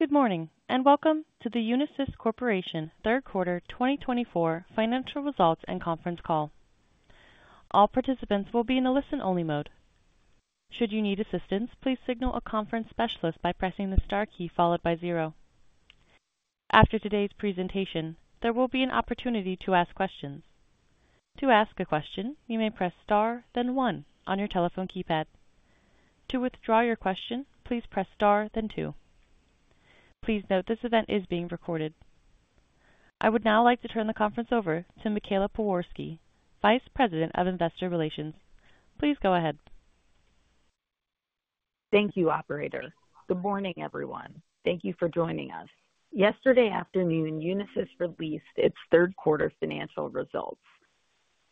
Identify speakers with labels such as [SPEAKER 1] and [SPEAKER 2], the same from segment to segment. [SPEAKER 1] Good morning and welcome to the Unisys Corporation Third Quarter 2024 Financial Results and Conference Call. All participants will be in a listen-only mode. Should you need assistance, please signal a conference specialist by pressing the star key followed by zero. After today's presentation, there will be an opportunity to ask questions. To ask a question, you may press star, then one on your telephone keypad. To withdraw your question, please press star, then two. Please note this event is being recorded. I would now like to turn the conference over to Michaela Pewarski, Vice President of Investor Relations. Please go ahead.
[SPEAKER 2] Thank you, Operator. Good morning, everyone. Thank you for joining us. Yesterday afternoon, Unisys released its third quarter financial results.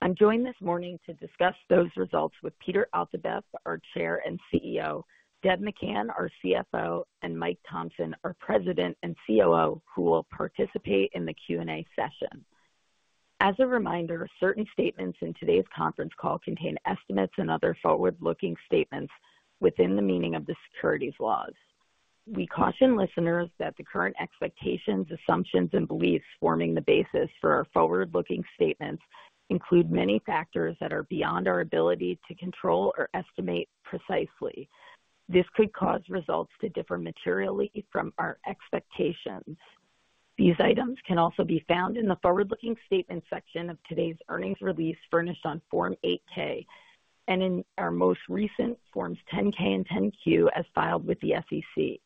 [SPEAKER 2] I'm joined this morning to discuss those results with Peter Altabef, our Chair and CEO, Deb McCann, our CFO, and Mike Thomson, our President and COO, who will participate in the Q&A session. As a reminder, certain statements in today's conference call contain estimates and other forward-looking statements within the meaning of the securities laws. We caution listeners that the current expectations, assumptions, and beliefs forming the basis for our forward-looking statements include many factors that are beyond our ability to control or estimate precisely. This could cause results to differ materially from our expectations. These items can also be found in the forward-looking statement section of today's earnings release furnished on Form 8-K and in our most recent Forms 10-K and 10-Q as filed with the SEC.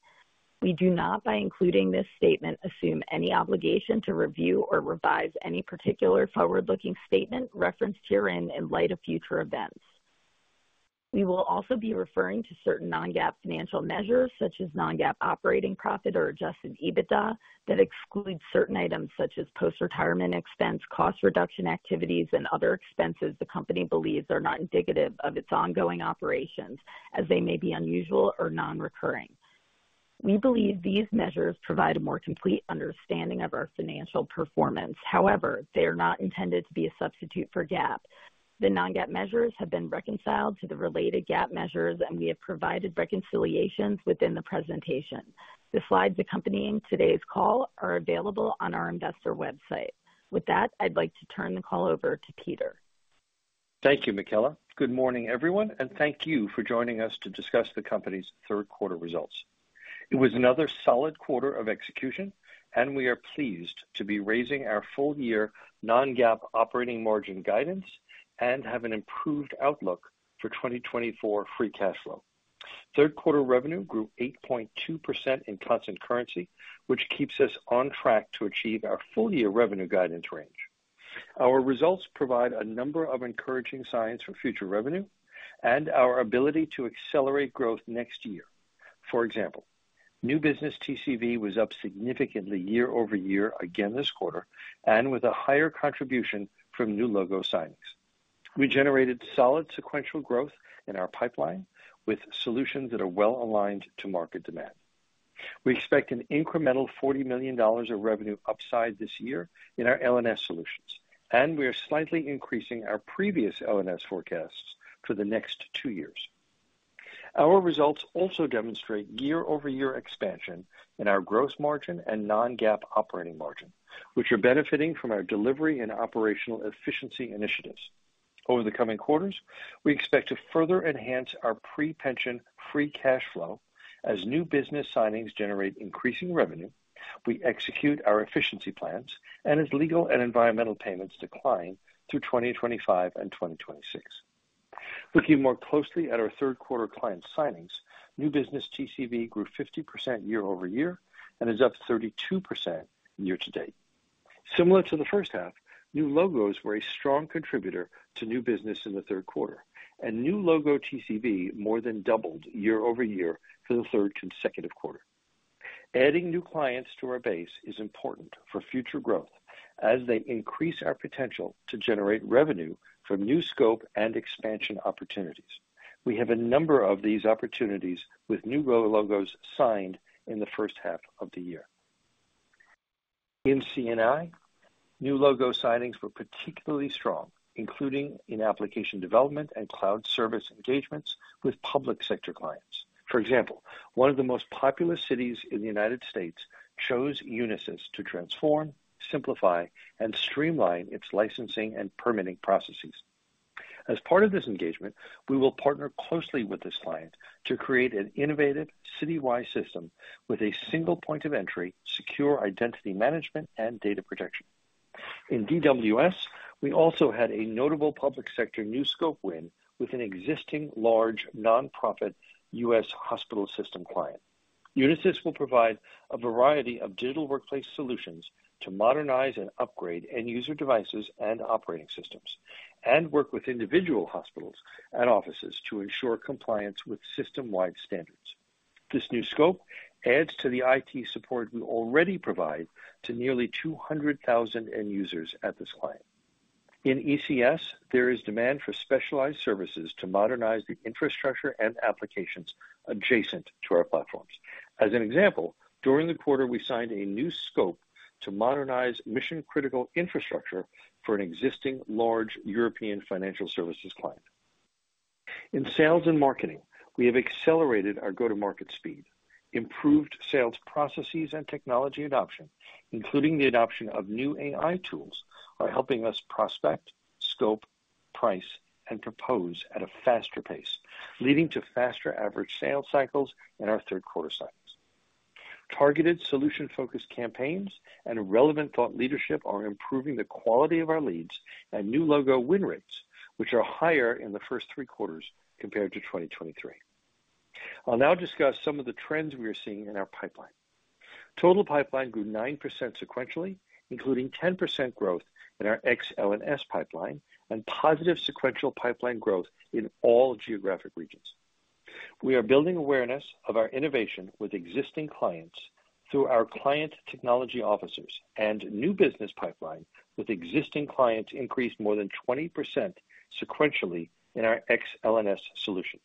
[SPEAKER 2] We do not, by including this statement, assume any obligation to review or revise any particular forward-looking statement referenced herein in light of future events. We will also be referring to certain non-GAAP financial measures, such as non-GAAP operating profit or adjusted EBITDA, that exclude certain items such as post-retirement expense, cost reduction activities, and other expenses the company believes are not indicative of its ongoing operations, as they may be unusual or non-recurring. We believe these measures provide a more complete understanding of our financial performance. However, they are not intended to be a substitute for GAAP. The non-GAAP measures have been reconciled to the related GAAP measures, and we have provided reconciliations within the presentation. The slides accompanying today's call are available on our investor website. With that, I'd like to turn the call over to Peter.
[SPEAKER 3] Thank you, Michaela. Good morning, everyone, and thank you for joining us to discuss the company's third quarter results. It was another solid quarter of execution, and we are pleased to be raising our full-year Non-GAAP operating margin guidance and have an improved outlook for 2024 free cash flow. Third quarter revenue grew 8.2% in constant currency, which keeps us on track to achieve our full-year revenue guidance range. Our results provide a number of encouraging signs for future revenue and our ability to accelerate growth next year. For example, new business TCV was up significantly year over year again this quarter, and with a higher contribution from new logo signings. We generated solid sequential growth in our pipeline with solutions that are well aligned to market demand. We expect an incremental $40 million of revenue upside this year in our L&S solutions, and we are slightly increasing our previous L&S forecasts for the next two years. Our results also demonstrate year-over-year expansion in our gross margin and non-GAAP operating margin, which are benefiting from our delivery and operational efficiency initiatives. Over the coming quarters, we expect to further enhance our pre-pension free cash flow as new business signings generate increasing revenue, we execute our efficiency plans, and as legal and environmental payments decline through 2025 and 2026. Looking more closely at our third quarter client signings, new business TCV grew 50% year-over-year and is up 32% year to date. Similar to the first half, new logos were a strong contributor to new business in the third quarter, and new logo TCV more than doubled year-over-year for the third consecutive quarter. Adding new clients to our base is important for future growth as they increase our potential to generate revenue from new scope and expansion opportunities. We have a number of these opportunities with new logo signed in the first half of the year. In CA&I, new logo signings were particularly strong, including in application development and cloud service engagements with public sector clients. For example, one of the most populous cities in the United States chose Unisys to transform, simplify, and streamline its licensing and permitting processes. As part of this engagement, we will partner closely with this client to create an innovative city-wide system with a single point of entry, secure identity management, and data protection. In DWS, we also had a notable public sector new scope win with an existing large nonprofit U.S. hospital system client. Unisys will provide a variety of digital workplace solutions to modernize and upgrade end-user devices and operating systems, and work with individual hospitals and offices to ensure compliance with system-wide standards. This new scope adds to the IT support we already provide to nearly 200,000 end users at this client. In ECS, there is demand for specialized services to modernize the infrastructure and applications adjacent to our platforms. As an example, during the quarter, we signed a new scope to modernize mission-critical infrastructure for an existing large European financial services client. In sales and marketing, we have accelerated our go-to-market speed, improved sales processes, and technology adoption, including the adoption of new AI tools by helping us prospect, scope, price, and propose at a faster pace, leading to faster average sales cycles in our third quarter signings. Targeted solution-focused campaigns and relevant thought leadership are improving the quality of our leads and new logo win rates, which are higher in the first three quarters compared to 2023. I'll now discuss some of the trends we are seeing in our pipeline. Total pipeline grew 9% sequentially, including 10% growth in our Ex-L&S pipeline and positive sequential pipeline growth in all geographic regions. We are building awareness of our innovation with existing clients through our client technology officers, and new business pipeline with existing clients increased more than 20% sequentially in our Ex-L&S solutions.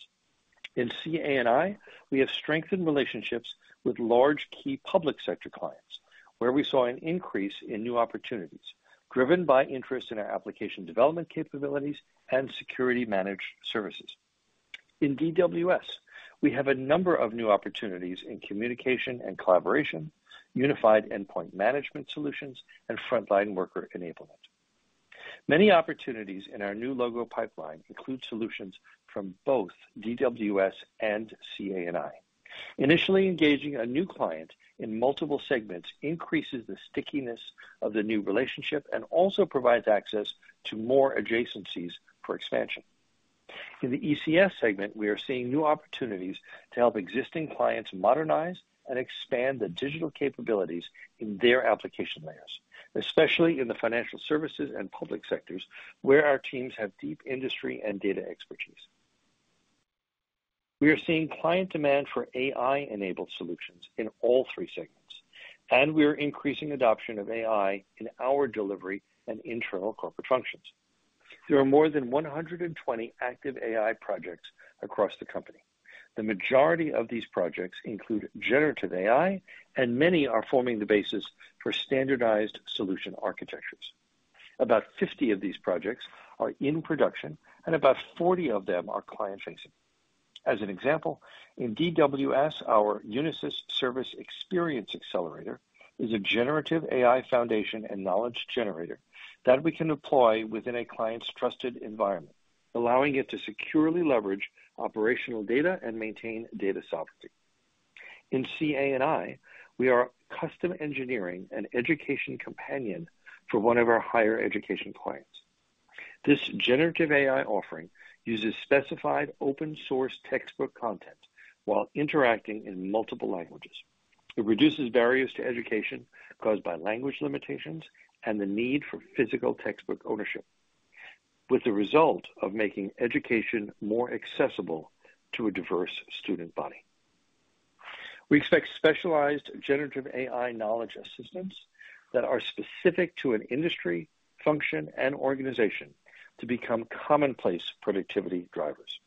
[SPEAKER 3] In CA&I, we have strengthened relationships with large key public sector clients, where we saw an increase in new opportunities driven by interest in our application development capabilities and security-managed services. In DWS, we have a number of new opportunities in communication and collaboration, unified endpoint management solutions, and frontline worker enablement. Many opportunities in our new logo pipeline include solutions from both DWS and CA&I. Initially engaging a new client in multiple segments increases the stickiness of the new relationship and also provides access to more adjacencies for expansion. In the ECS segment, we are seeing new opportunities to help existing clients modernize and expand the digital capabilities in their application layers, especially in the financial services and public sectors where our teams have deep industry and data expertise. We are seeing client demand for AI-enabled solutions in all three segments, and we are increasing adoption of AI in our delivery and internal corporate functions. There are more than 120 active AI projects across the company. The majority of these projects include generative AI, and many are forming the basis for standardized solution architectures. About 50 of these projects are in production, and about 40 of them are client-facing. As an example, in DWS, our Unisys Service Experience Accelerator is a generative AI foundation and knowledge generator that we can deploy within a client's trusted environment, allowing it to securely leverage operational data and maintain data sovereignty. In CA&I, we are custom engineering and education companion for one of our higher education clients. This generative AI offering uses specified open-source textbook content while interacting in multiple languages. It reduces barriers to education caused by language limitations and the need for physical textbook ownership, with the result of making education more accessible to a diverse student body. We expect specialized generative AI knowledge assistants that are specific to an industry, function, and organization to become commonplace productivity drivers.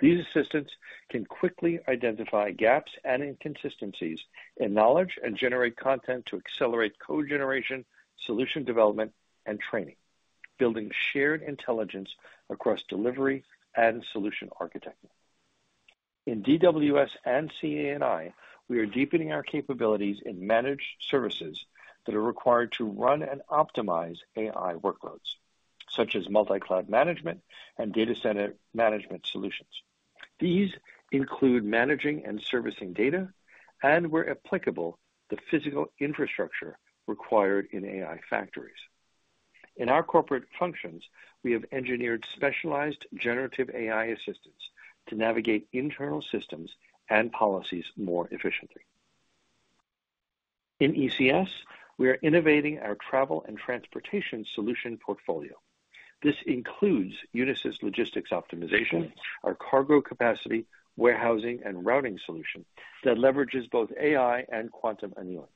[SPEAKER 3] These assistants can quickly identify gaps and inconsistencies in knowledge and generate content to accelerate code generation, solution development, and training, building shared intelligence across delivery and solution architecture. In DWS and CA&I, we are deepening our capabilities in managed services that are required to run and optimize AI workloads, such as multi-cloud management and data center management solutions. These include managing and servicing data, and where applicable, the physical infrastructure required in AI factories. In our corporate functions, we have engineered specialized generative AI assistants to navigate internal systems and policies more efficiently. In ECS, we are innovating our travel and transportation solution portfolio. This includes Unisys Logistics Optimization, our cargo capacity, warehousing, and routing solution that leverages both AI and quantum annealing.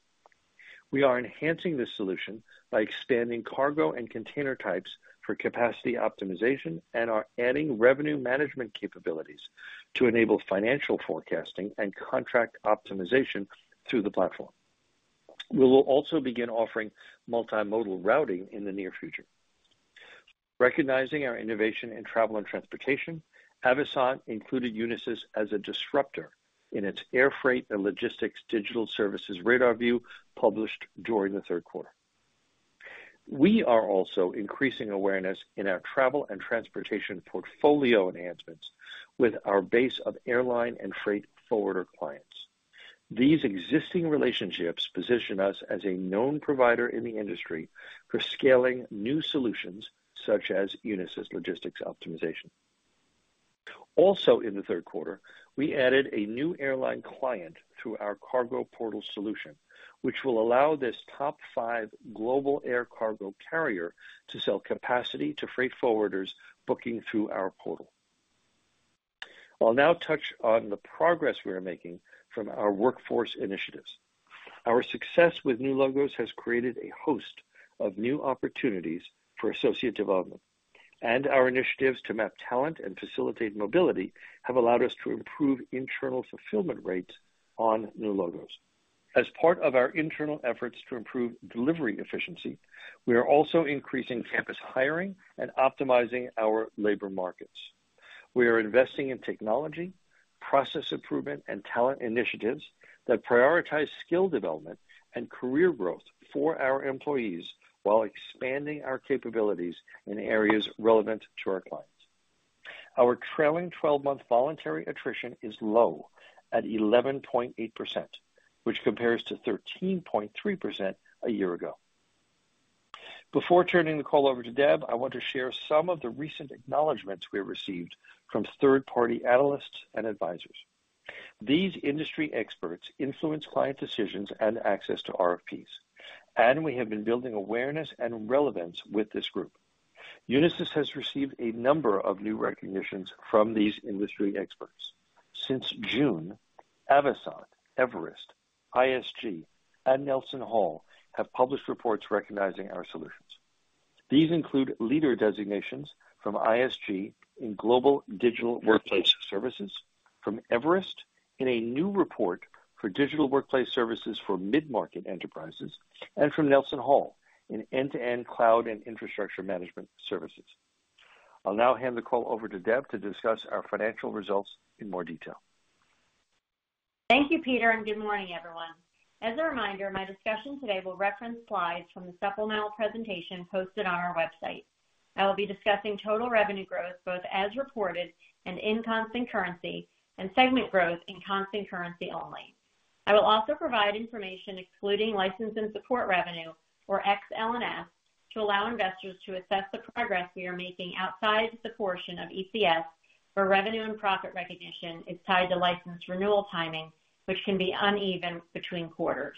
[SPEAKER 3] We are enhancing this solution by expanding cargo and container types for capacity optimization and are adding revenue management capabilities to enable financial forecasting and contract optimization through the platform. We will also begin offering multimodal routing in the near future. Recognizing our innovation in travel and transportation, Avasant included Unisys as a disruptor in its air freight and logistics digital services Radar View published during the third quarter. We are also increasing awareness in our travel and transportation portfolio enhancements with our base of airline and freight forwarder clients. These existing relationships position us as a known provider in the industry for scaling new solutions such as Unisys Logistics Optimization. Also, in the third quarter, we added a new airline client through our cargo portal solution, which will allow this top five global air cargo carrier to sell capacity to freight forwarders booking through our portal. I'll now touch on the progress we are making from our workforce initiatives. Our success with new logos has created a host of new opportunities for associate development, and our initiatives to map talent and facilitate mobility have allowed us to improve internal fulfillment rates on new logos. As part of our internal efforts to improve delivery efficiency, we are also increasing campus hiring and optimizing our labor markets. We are investing in technology, process improvement, and talent initiatives that prioritize skill development and career growth for our employees while expanding our capabilities in areas relevant to our clients. Our trailing 12-month voluntary attrition is low at 11.8%, which compares to 13.3% a year ago. Before turning the call over to Deb, I want to share some of the recent acknowledgments we have received from third-party analysts and advisors. These industry experts influence client decisions and access to RFPs, and we have been building awareness and relevance with this group. Unisys has received a number of new recognitions from these industry experts. Since June, Avasant, Everest, ISG, and NelsonHall have published reports recognizing our solutions. These include leader designations from ISG in global digital workplace services, from Everest in a new report for digital workplace services for mid-market enterprises, and from NelsonHall in end-to-end cloud and infrastructure management services. I'll now hand the call over to Deb to discuss our financial results in more detail.
[SPEAKER 4] Thank you, Peter, and good morning, everyone. As a reminder, my discussion today will reference slides from the supplemental presentation posted on our website. I will be discussing total revenue growth both as reported and in constant currency, and segment growth in constant currency only. I will also provide information excluding license and support revenue, or XL&S, to allow investors to assess the progress we are making outside the portion of ECS where revenue and profit recognition is tied to license renewal timing, which can be uneven between quarters.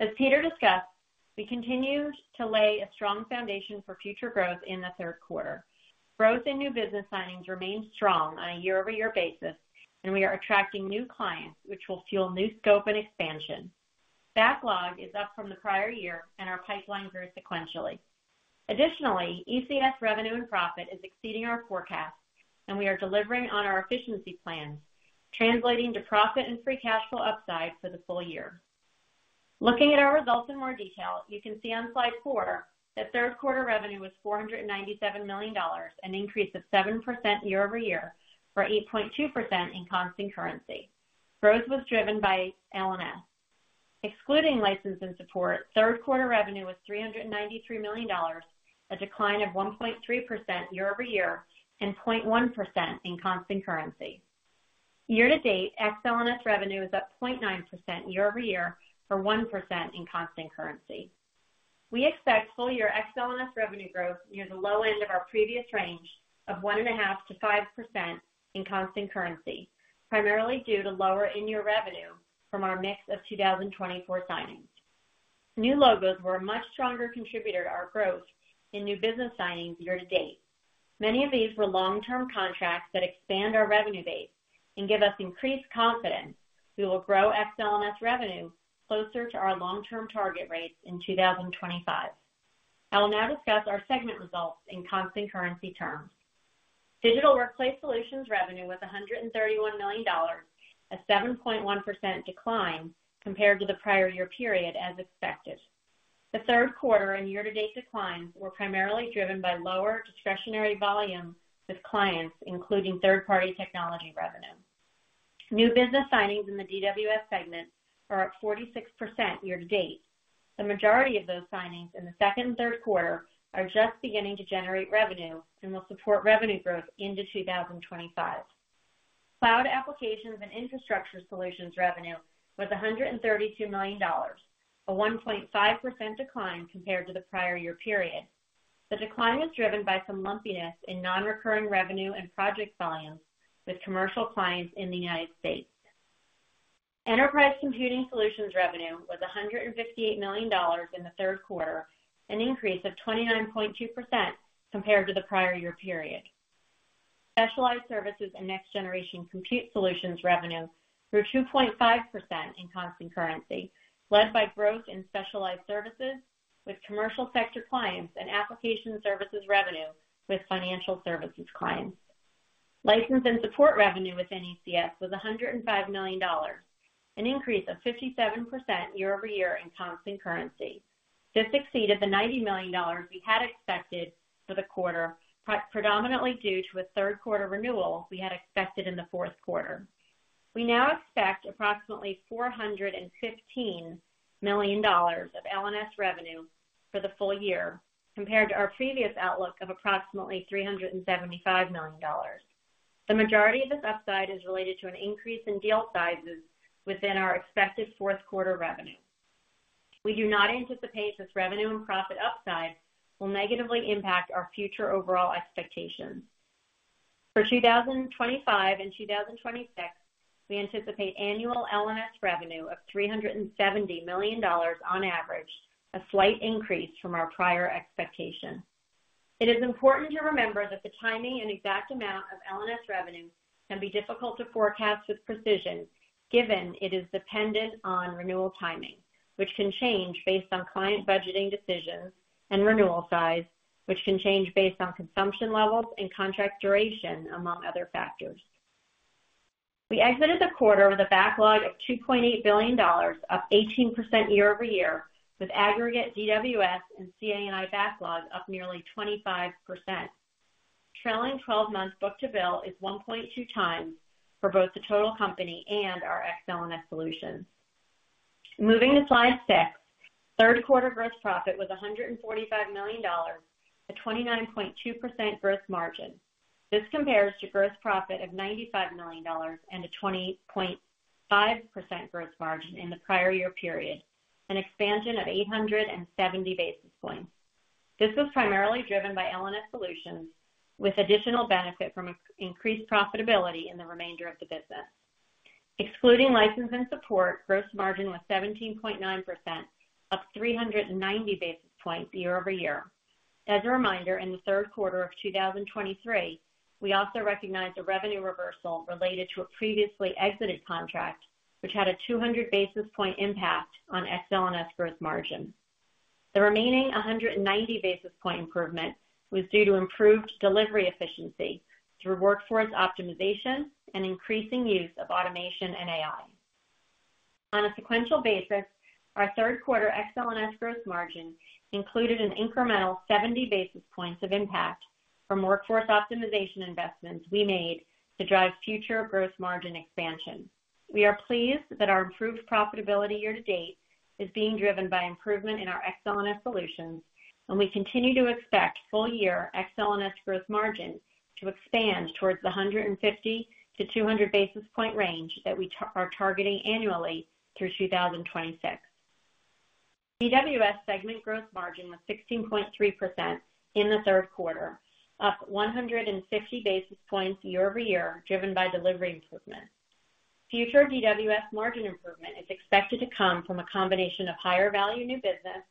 [SPEAKER 4] As Peter discussed, we continue to lay a strong foundation for future growth in the third quarter. Growth in new business signings remains strong on a year-over-year basis, and we are attracting new clients, which will fuel new scope and expansion. Backlog is up from the prior year, and our pipeline grew sequentially. Additionally, ECS revenue and profit is exceeding our forecast, and we are delivering on our efficiency plans, translating to profit and free cash flow upside for the full year. Looking at our results in more detail, you can see on slide four that third quarter revenue was $497 million, an increase of 7% year-over-year for 8.2% in constant currency. Growth was driven by L&S. Excluding license and support, third quarter revenue was $393 million, a decline of 1.3% year-over-year and 0.1% in constant currency. Year-to-date, XL&S revenue is up 0.9% year-over-year for 1% in constant currency. We expect full-year XL&S revenue growth near the low end of our previous range of 1.5%-5% in constant currency, primarily due to lower in-year revenue from our mix of 2024 signings. New logos were a much stronger contributor to our growth in new business signings year-to-date. Many of these were long-term contracts that expand our revenue base and give us increased confidence we will grow XL&S revenue closer to our long-term target rates in 2025. I will now discuss our segment results in constant currency terms. Digital workplace solutions revenue was $131 million, a 7.1% decline compared to the prior year period, as expected. The third quarter and year-to-date declines were primarily driven by lower discretionary volume with clients, including third-party technology revenue. New business signings in the DWS segment are up 46% year-to-date. The majority of those signings in the second and third quarter are just beginning to generate revenue and will support revenue growth into 2025. Cloud applications and infrastructure solutions revenue was $132 million, a 1.5% decline compared to the prior year period. The decline was driven by some lumpiness in non-recurring revenue and project volumes with commercial clients in the United States. Enterprise computing solutions revenue was $158 million in the third quarter, an increase of 29.2% compared to the prior year period. Specialized services and next-generation compute solutions revenue grew 2.5% in constant currency, led by growth in specialized services with commercial sector clients and application services revenue with financial services clients. License and support revenue within ECS was $105 million, an increase of 57% year-over-year in constant currency. This exceeded the $90 million we had expected for the quarter, predominantly due to a third quarter renewal we had expected in the fourth quarter. We now expect approximately $415 million of L&S revenue for the full year compared to our previous outlook of approximately $375 million. The majority of this upside is related to an increase in deal sizes within our expected fourth quarter revenue. We do not anticipate this revenue and profit upside will negatively impact our future overall expectations. For 2025 and 2026, we anticipate annual L&S revenue of $370 million on average, a slight increase from our prior expectation. It is important to remember that the timing and exact amount of L&S revenue can be difficult to forecast with precision given it is dependent on renewal timing, which can change based on client budgeting decisions and renewal size, which can change based on consumption levels and contract duration, among other factors. We exited the quarter with a backlog of $2.8 billion, up 18% year-over-year, with aggregate DWS and CA&I backlog up nearly 25%. Trailing 12-month book-to-bill is 1.2 times for both the total company and our XL&S solutions. Moving to slide 6, third quarter gross profit was $145 million, a 29.2% gross margin. This compares to gross profit of $95 million and a 20.5% gross margin in the prior year period, an expansion of 870 basis points. This was primarily driven by L&S solutions with additional benefit from increased profitability in the remainder of the business. Excluding license and support, gross margin was 17.9%, up 390 basis points year-over-year. As a reminder, in the third quarter of 2023, we also recognized a revenue reversal related to a previously exited contract, which had a 200 basis point impact on XL&S gross margin. The remaining 190 basis point improvement was due to improved delivery efficiency through workforce optimization and increasing use of automation and AI. On a sequential basis, our third quarter XL&S gross margin included an incremental 70 basis points of impact from workforce optimization investments we made to drive future gross margin expansion. We are pleased that our improved profitability year-to-date is being driven by improvement in our XL&S solutions, and we continue to expect full-year XL&S gross margin to expand towards the 150 to 200 basis point range that we are targeting annually through 2026. DWS segment gross margin was 16.3% in the third quarter, up 150 basis points year-over-year, driven by delivery improvement. Future DWS margin improvement is expected to come from a combination of higher value new business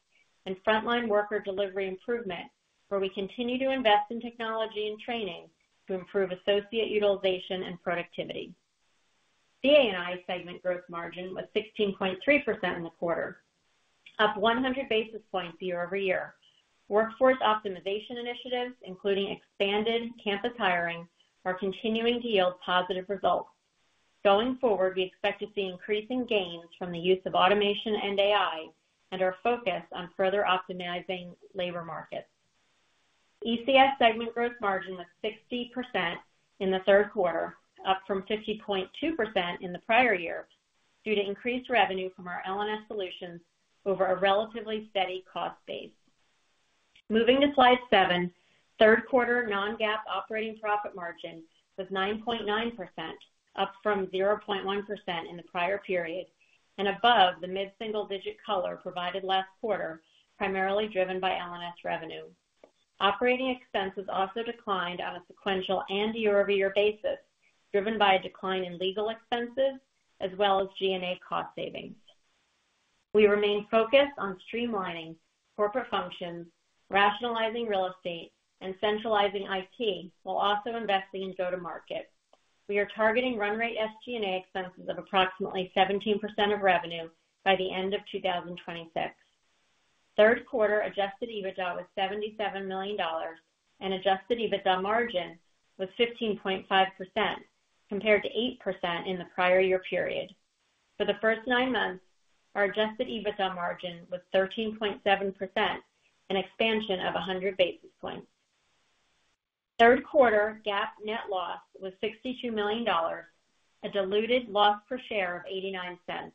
[SPEAKER 4] and frontline worker delivery improvement, where we continue to invest in technology and training to improve associate utilization and productivity. CANI segment gross margin was 16.3% in the quarter, up 100 basis points year-over-year. Workforce optimization initiatives, including expanded campus hiring, are continuing to yield positive results. Going forward, we expect to see increasing gains from the use of automation and AI and our focus on further optimizing labor markets. ECS segment gross margin was 60% in the third quarter, up from 50.2% in the prior year due to increased revenue from our L&S solutions over a relatively steady cost base. Moving to slide seven, third quarter non-GAAP operating profit margin was 9.9%, up from 0.1% in the prior period, and above the mid-single digit color provided last quarter, primarily driven by L&S revenue. Operating expenses also declined on a sequential and year-over-year basis, driven by a decline in legal expenses as well as G&A cost savings. We remain focused on streamlining corporate functions, rationalizing real estate, and centralizing IT while also investing in go-to-market. We are targeting run rate SG&A expenses of approximately 17% of revenue by the end of 2026. Third quarter adjusted EBITDA was $77 million, and adjusted EBITDA margin was 15.5%, compared to 8% in the prior year period. For the first nine months, our adjusted EBITDA margin was 13.7%, an expansion of 100 basis points. Third quarter GAAP net loss was $62 million, a diluted loss per share of $0.89.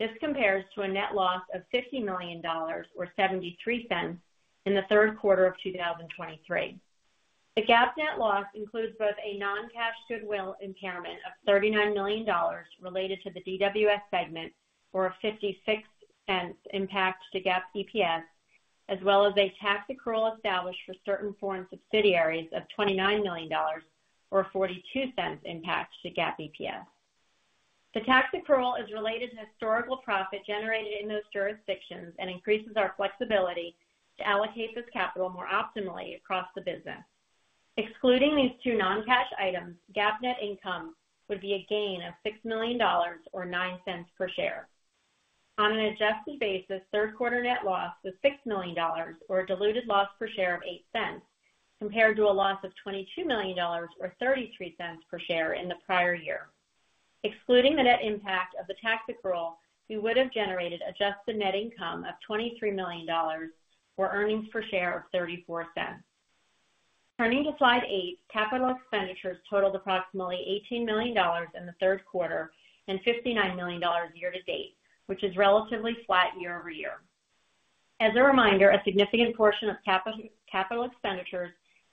[SPEAKER 4] This compares to a net loss of $50 million, or $0.73, in the third quarter of 2023. The GAAP net loss includes both a non-cash goodwill impairment of $39 million related to the DWS segment, or a $0.56 impact to GAAP EPS, as well as a tax accrual established for certain foreign subsidiaries of $29 million, or $0.42 impact to GAAP EPS. The tax accrual is related to historical profit generated in those jurisdictions and increases our flexibility to allocate this capital more optimally across the business. Excluding these two non-cash items, GAAP net income would be a gain of $6 million, or $0.09 per share. On an adjusted basis, third quarter net loss was $6 million, or a diluted loss per share of $0.08, compared to a loss of $22 million, or $0.33 per share in the prior year. Excluding the net impact of the tax accrual, we would have generated adjusted net income of $23 million, or earnings per share of $0.34. Turning to slide eight, capital expenditures totaled approximately $18 million in the third quarter and $59 million year-to-date, which is relatively flat year-over-year. As a reminder, a significant portion of capital expenditures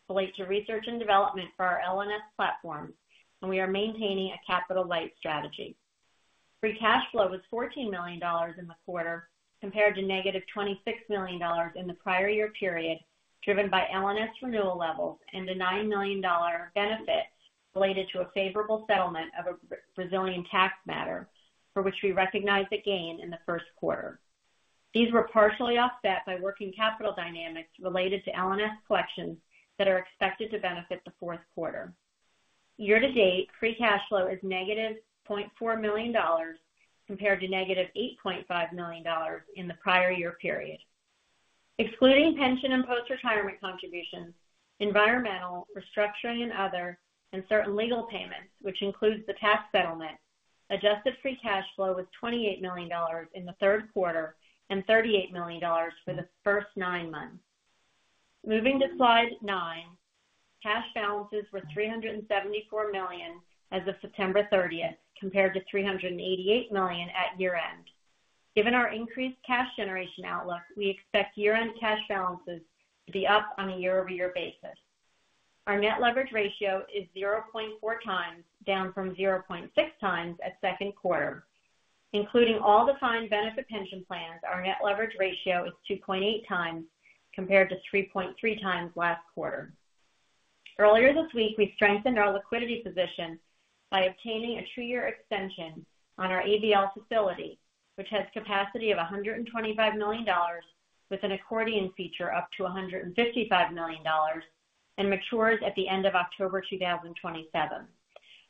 [SPEAKER 4] relate to research and development for our L&S platforms, and we are maintaining a capital-light strategy. Free cash flow was $14 million in the quarter, compared to negative $26 million in the prior year period, driven by L&S renewal levels and a $9 million benefit related to a favorable settlement of a Brazilian tax matter, for which we recognized a gain in the first quarter. These were partially offset by working capital dynamics related to L&S collections that are expected to benefit the fourth quarter. Year-to-date, free cash flow is negative $0.4 million, compared to negative $8.5 million in the prior year period. Excluding pension and post-retirement contributions, environmental, restructuring, and other, and certain legal payments, which includes the tax settlement, adjusted free cash flow was $28 million in the third quarter and $38 million for the first nine months. Moving to slide nine, cash balances were $374 million as of September 30, compared to $388 million at year-end. Given our increased cash generation outlook, we expect year-end cash balances to be up on a year-over-year basis. Our net leverage ratio is 0.4 times, down from 0.6 times at second quarter. Including all defined benefit pension plans, our net leverage ratio is 2.8 times, compared to 3.3 times last quarter. Earlier this week, we strengthened our liquidity position by obtaining a two-year extension on our ABL facility, which has capacity of $125 million, with an accordion feature up to $155 million, and matures at the end of October 2027.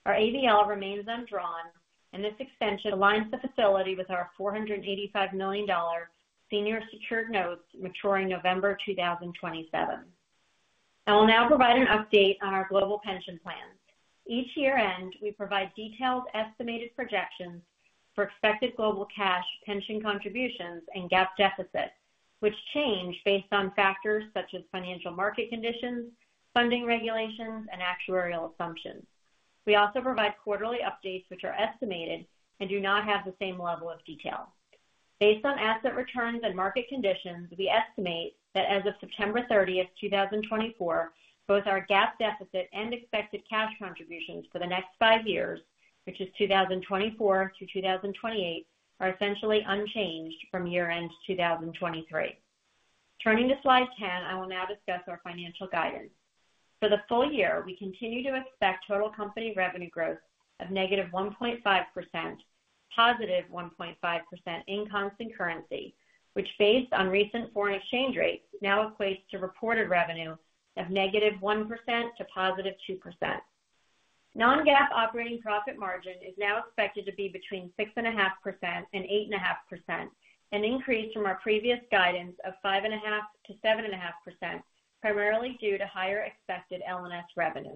[SPEAKER 4] Our ABL remains undrawn, and this extension aligns the facility with our $485 million senior secured notes maturing November 2027. I will now provide an update on our global pension plans. Each year-end, we provide detailed estimated projections for expected global cash pension contributions and GAAP deficit, which change based on factors such as financial market conditions, funding regulations, and actuarial assumptions. We also provide quarterly updates, which are estimated and do not have the same level of detail. Based on asset returns and market conditions, we estimate that as of September 30, 2024, both our GAAP deficit and expected cash contributions for the next five years, which is 2024 to 2028, are essentially unchanged from year-end 2023. Turning to slide 10, I will now discuss our financial guidance. For the full year, we continue to expect total company revenue growth of negative 1.5%, positive 1.5% in constant currency, which, based on recent foreign exchange rates, now equates to reported revenue of negative 1% to positive 2%. Non-GAAP operating profit margin is now expected to be between 6.5% and 8.5%, an increase from our previous guidance of 5.5% to 7.5%, primarily due to higher expected L&S revenue.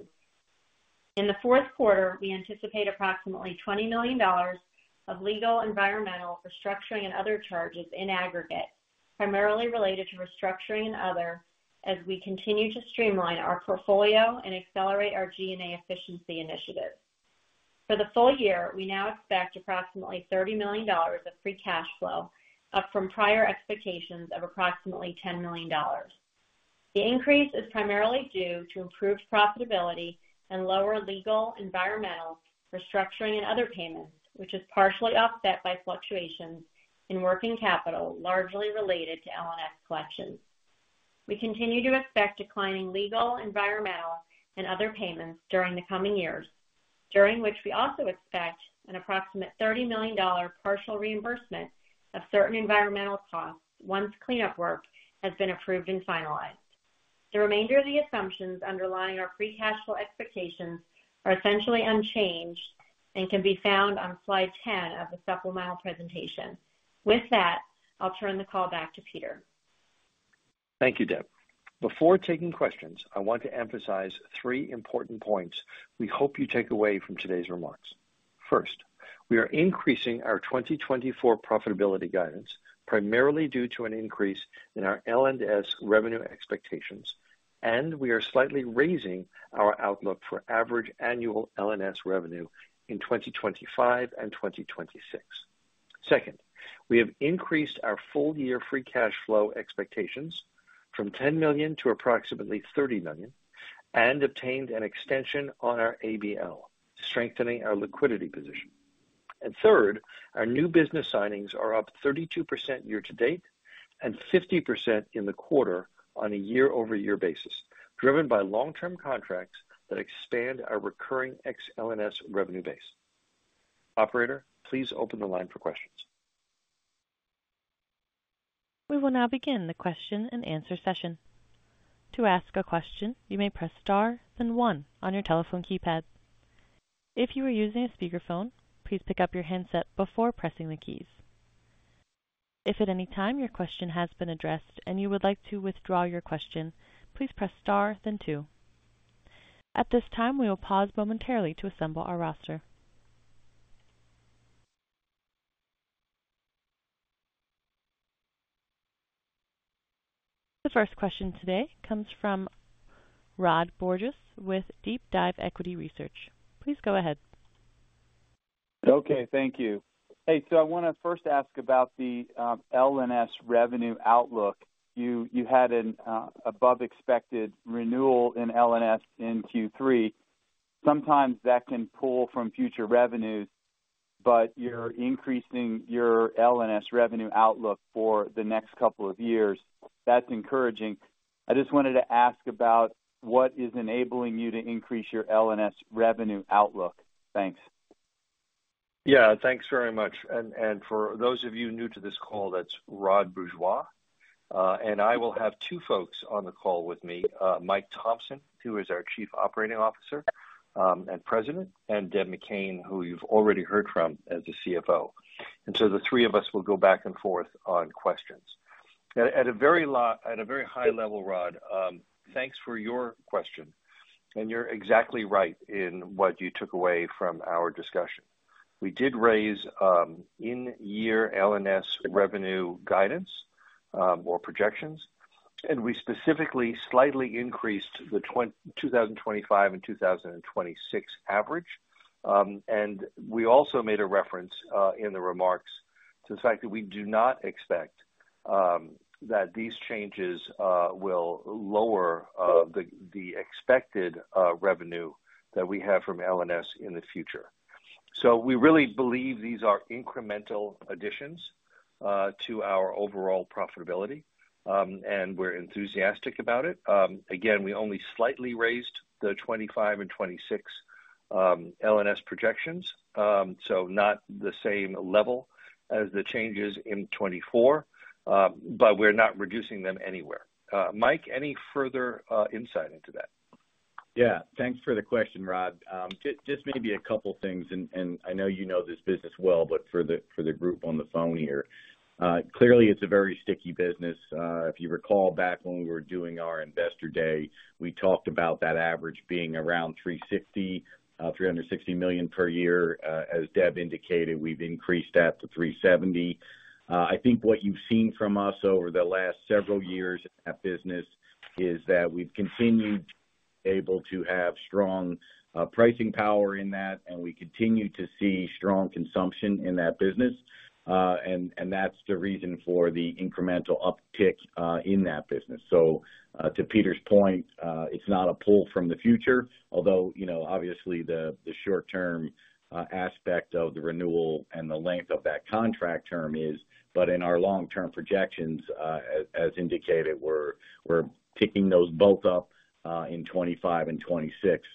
[SPEAKER 4] In the fourth quarter, we anticipate approximately $20 million of legal, environmental, restructuring, and other charges in aggregate, primarily related to restructuring and other, as we continue to streamline our portfolio and accelerate our G&A efficiency initiative. For the full year, we now expect approximately $30 million of free cash flow, up from prior expectations of approximately $10 million. The increase is primarily due to improved profitability and lower legal, environmental, restructuring, and other payments, which is partially offset by fluctuations in working capital largely related to L&S collections. We continue to expect declining legal, environmental, and other payments during the coming years, during which we also expect an approximate $30 million partial reimbursement of certain environmental costs once cleanup work has been approved and finalized. The remainder of the assumptions underlying our free cash flow expectations are essentially unchanged and can be found on slide 10 of the supplemental presentation. With that, I'll turn the call back to Peter.
[SPEAKER 3] Thank you, Deb. Before taking questions, I want to emphasize three important points we hope you take away from today's remarks. First, we are increasing our 2024 profitability guidance, primarily due to an increase in our L&S revenue expectations, and we are slightly raising our outlook for average annual L&S revenue in 2025 and 2026. Second, we have increased our full-year free cash flow expectations from $10 million to approximately $30 million and obtained an extension on our ABL, strengthening our liquidity position. And third, our new business signings are up 32% year-to-date and 50% in the quarter on a year-over-year basis, driven by long-term contracts that expand our recurring L&S revenue base. Operator, please open the line for questions.
[SPEAKER 1] We will now begin the question and answer session. To ask a question, you may press star then one on your telephone keypad. If you are using a speakerphone, please pick up your handset before pressing the keys. If at any time your question has been addressed and you would like to withdraw your question, please press star then two. At this time, we will pause momentarily to assemble our roster. The first question today comes from Rod Bourgeois with DeepDive Equity Research. Please go ahead.
[SPEAKER 5] Okay, thank you. Hey, so I want to first ask about the L&S revenue outlook. You had an above-expected renewal in L&S in Q3. Sometimes that can pull from future revenues, but you're increasing your L&S revenue outlook for the next couple of years. That's encouraging. I just wanted to ask about what is enabling you to increase your L&S revenue outlook. Thanks.
[SPEAKER 3] Yeah, thanks very much. And for those of you new to this call, that's Rod Bourgeois. And I will have two folks on the call with me, Mike Thomson, who is our Chief Operating Officer and President, and Deb McCann, who you've already heard from as the CFO. And so the three of us will go back and forth on questions. At a very high level, Rod, thanks for your question. And you're exactly right in what you took away from our discussion. We did raise in-year L&S revenue guidance or projections, and we specifically slightly increased the 2025 and 2026 average. And we also made a reference in the remarks to the fact that we do not expect that these changes will lower the expected revenue that we have from L&S in the future. So we really believe these are incremental additions to our overall profitability, and we're enthusiastic about it. Again, we only slightly raised the 2025 and 2026 L&S projections, so not the same level as the changes in 2024, but we're not reducing them anywhere. Mike, any further insight into that?
[SPEAKER 6] Yeah, thanks for the question, Rod. Just maybe a couple of things. And I know you know this business well, but for the group on the phone here, clearly it's a very sticky business. If you recall back when we were doing our investor day, we talked about that average being around $360 million per year. As Deb indicated, we've increased that to $370. I think what you've seen from us over the last several years in that business is that we've continued to be able to have strong pricing power in that, and we continue to see strong consumption in that business. And that's the reason for the incremental uptick in that business. So to Peter's point, it's not a pull from the future, although obviously the short-term aspect of the renewal and the length of that contract term is, but in our long-term projections, as indicated, we're picking those both up in 2025 and 2026,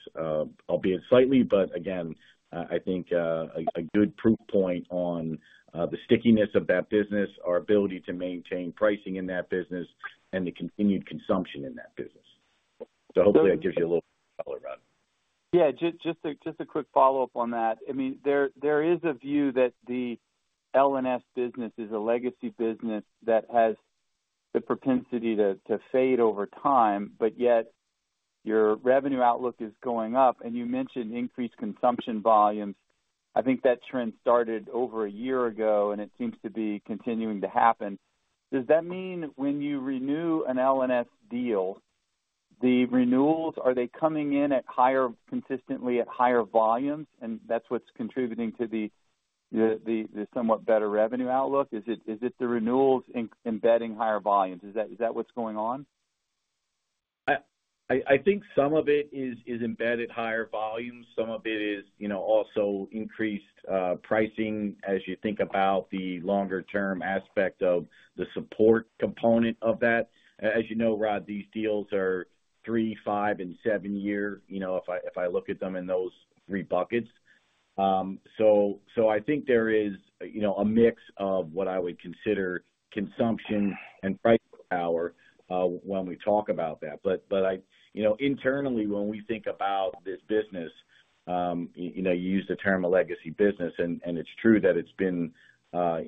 [SPEAKER 6] albeit slightly. But again, I think a good proof point on the stickiness of that business, our ability to maintain pricing in that business, and the continued consumption in that business. So hopefully that gives you a little color, Rod.
[SPEAKER 5] Yeah, just a quick follow-up on that. I mean, there is a view that the L&S business is a legacy business that has the propensity to fade over time, but yet your revenue outlook is going up. And you mentioned increased consumption volumes. I think that trend started over a year ago, and it seems to be continuing to happen. Does that mean when you renew an L&S deal, the renewals, are they coming in at higher consistently at higher volumes? And that's what's contributing to the somewhat better revenue outlook. Is it the renewals embedding higher volumes? Is that what's going on?
[SPEAKER 6] I think some of it is embedded higher volumes. Some of it is also increased pricing as you think about the longer-term aspect of the support component of that. As you know, Rod, these deals are three, five, and seven-year if I look at them in those three buckets. So I think there is a mix of what I would consider consumption and price power when we talk about that. But internally, when we think about this business, you use the term a legacy business, and it's true that it's been a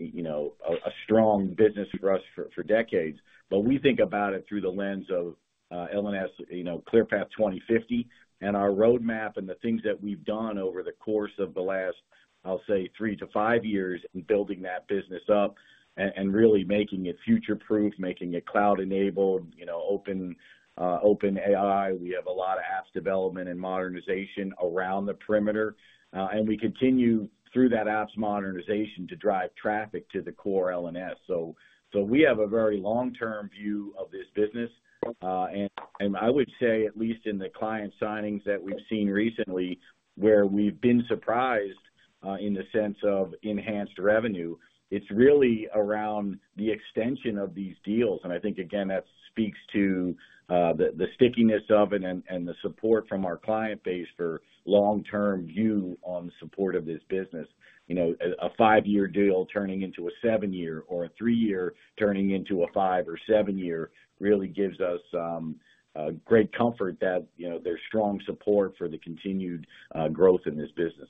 [SPEAKER 6] strong business for us for decades. But we think about it through the lens of L&S ClearPath 2050 and our roadmap and the things that we've done over the course of the last, I'll say, three to five years in building that business up and really making it future-proof, making it cloud-enabled, open AI. We have a lot of apps development and modernization around the perimeter. And we continue through that apps modernization to drive traffic to the core L&S. So we have a very long-term view of this business. I would say, at least in the client signings that we've seen recently, where we've been surprised in the sense of enhanced revenue, it's really around the extension of these deals. I think, again, that speaks to the stickiness of it and the support from our client base for long-term view on the support of this business. A five-year deal turning into a seven-year or a three-year turning into a five or seven-year really gives us great comfort that there's strong support for the continued growth in this business.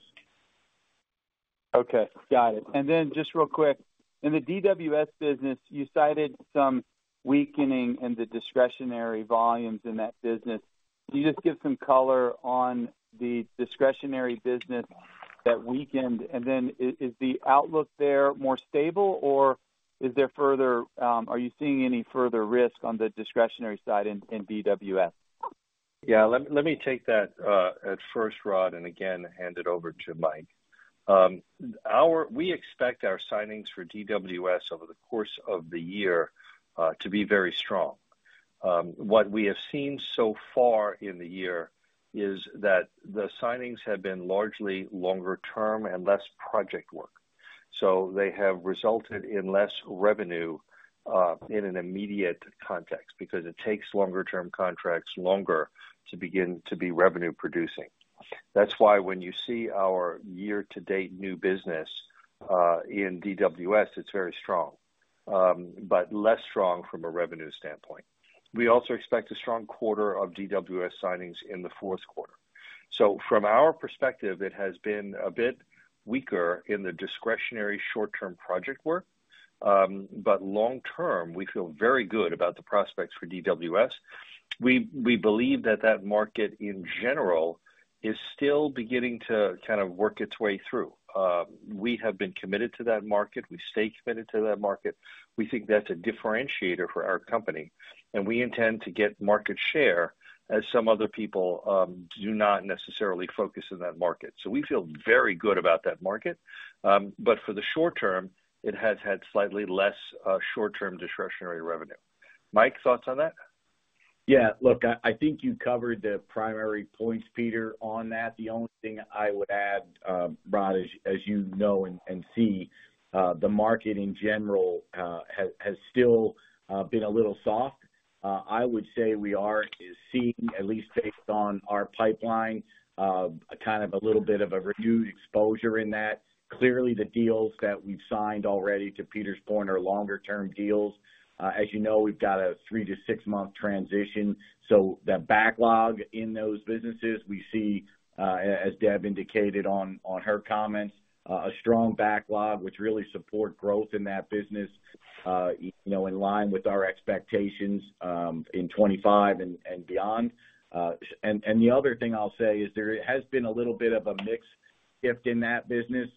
[SPEAKER 5] Okay, got it. Then just real quick, in the DWS business, you cited some weakening in the discretionary volumes in that business. Can you just give some color on the discretionary business that weakened? Then is the outlook there more stable, or are you seeing any further risk on the discretionary side in DWS?
[SPEAKER 3] Yeah, let me take that at first, Rod, and again, hand it over to Mike. We expect our signings for DWS over the course of the year to be very strong. What we have seen so far in the year is that the signings have been largely longer-term and less project work. So they have resulted in less revenue in an immediate context because it takes longer-term contracts longer to begin to be revenue-producing. That's why when you see our year-to-date new business in DWS, it's very strong, but less strong from a revenue standpoint. We also expect a strong quarter of DWS signings in the fourth quarter. So from our perspective, it has been a bit weaker in the discretionary short-term project work. But long-term, we feel very good about the prospects for DWS. We believe that that market in general is still beginning to kind of work its way through. We have been committed to that market. We stay committed to that market. We think that's a differentiator for our company, and we intend to get market share as some other people do not necessarily focus in that market, so we feel very good about that market, but for the short term, it has had slightly less short-term discretionary revenue. Mike, thoughts on that?
[SPEAKER 6] Yeah, look, I think you covered the primary points, Peter, on that. The only thing I would add, Rod, as you know and see, the market in general has still been a little soft. I would say we are seeing, at least based on our pipeline, kind of a little bit of a renewed exposure in that. Clearly, the deals that we've signed already to Peter's point are longer-term deals. As you know, we've got a three- to six-month transition. So the backlog in those businesses, we see, as Deb indicated on her comments, a strong backlog, which really supports growth in that business in line with our expectations in 2025 and beyond. And the other thing I'll say is there has been a little bit of a mixed shift in that business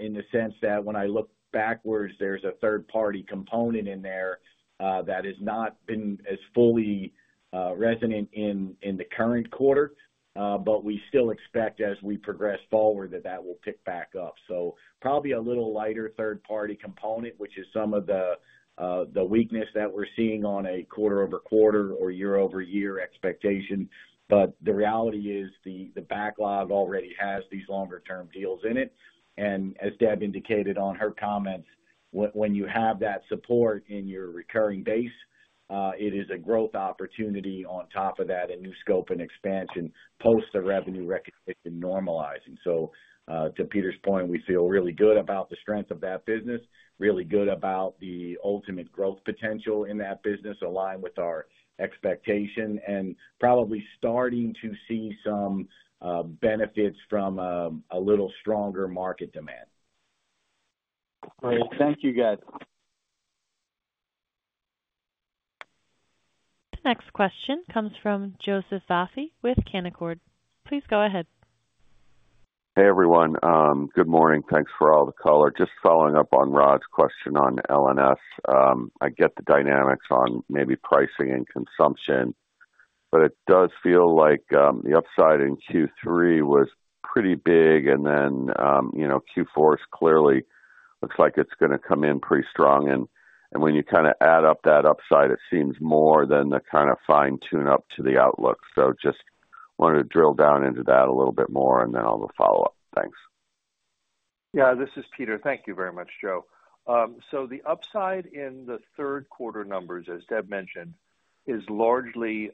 [SPEAKER 6] in the sense that when I look backwards, there's a third-party component in there that has not been as fully resonant in the current quarter. But we still expect as we progress forward that that will pick back up. So probably a little lighter third-party component, which is some of the weakness that we're seeing on a quarter-over-quarter or year-over-year expectation. But the reality is the backlog already has these longer-term deals in it. And as Deb indicated on her comments, when you have that support in your recurring base, it is a growth opportunity on top of that, a new scope and expansion post the revenue recognition normalizing. So to Peter's point, we feel really good about the strength of that business, really good about the ultimate growth potential in that business aligned with our expectation, and probably starting to see some benefits from a little stronger market demand.
[SPEAKER 5] All right, thank you guys.
[SPEAKER 1] The next question comes from Joseph Vafi with Canaccord. Please go ahead.
[SPEAKER 7] Hey everyone, good morning. Thanks for all the color. Just following up on Rod's question on L&S, I get the dynamics on maybe pricing and consumption, but it does feel like the upside in Q3 was pretty big. And then Q4 is clearly looks like it's going to come in pretty strong. When you kind of add up that upside, it seems more than the kind of fine tune up to the outlook. So just wanted to drill down into that a little bit more, and then I'll follow up. Thanks.
[SPEAKER 3] Yeah, this is Peter. Thank you very much, Joe. So the upside in the third quarter numbers, as Deb mentioned, is largely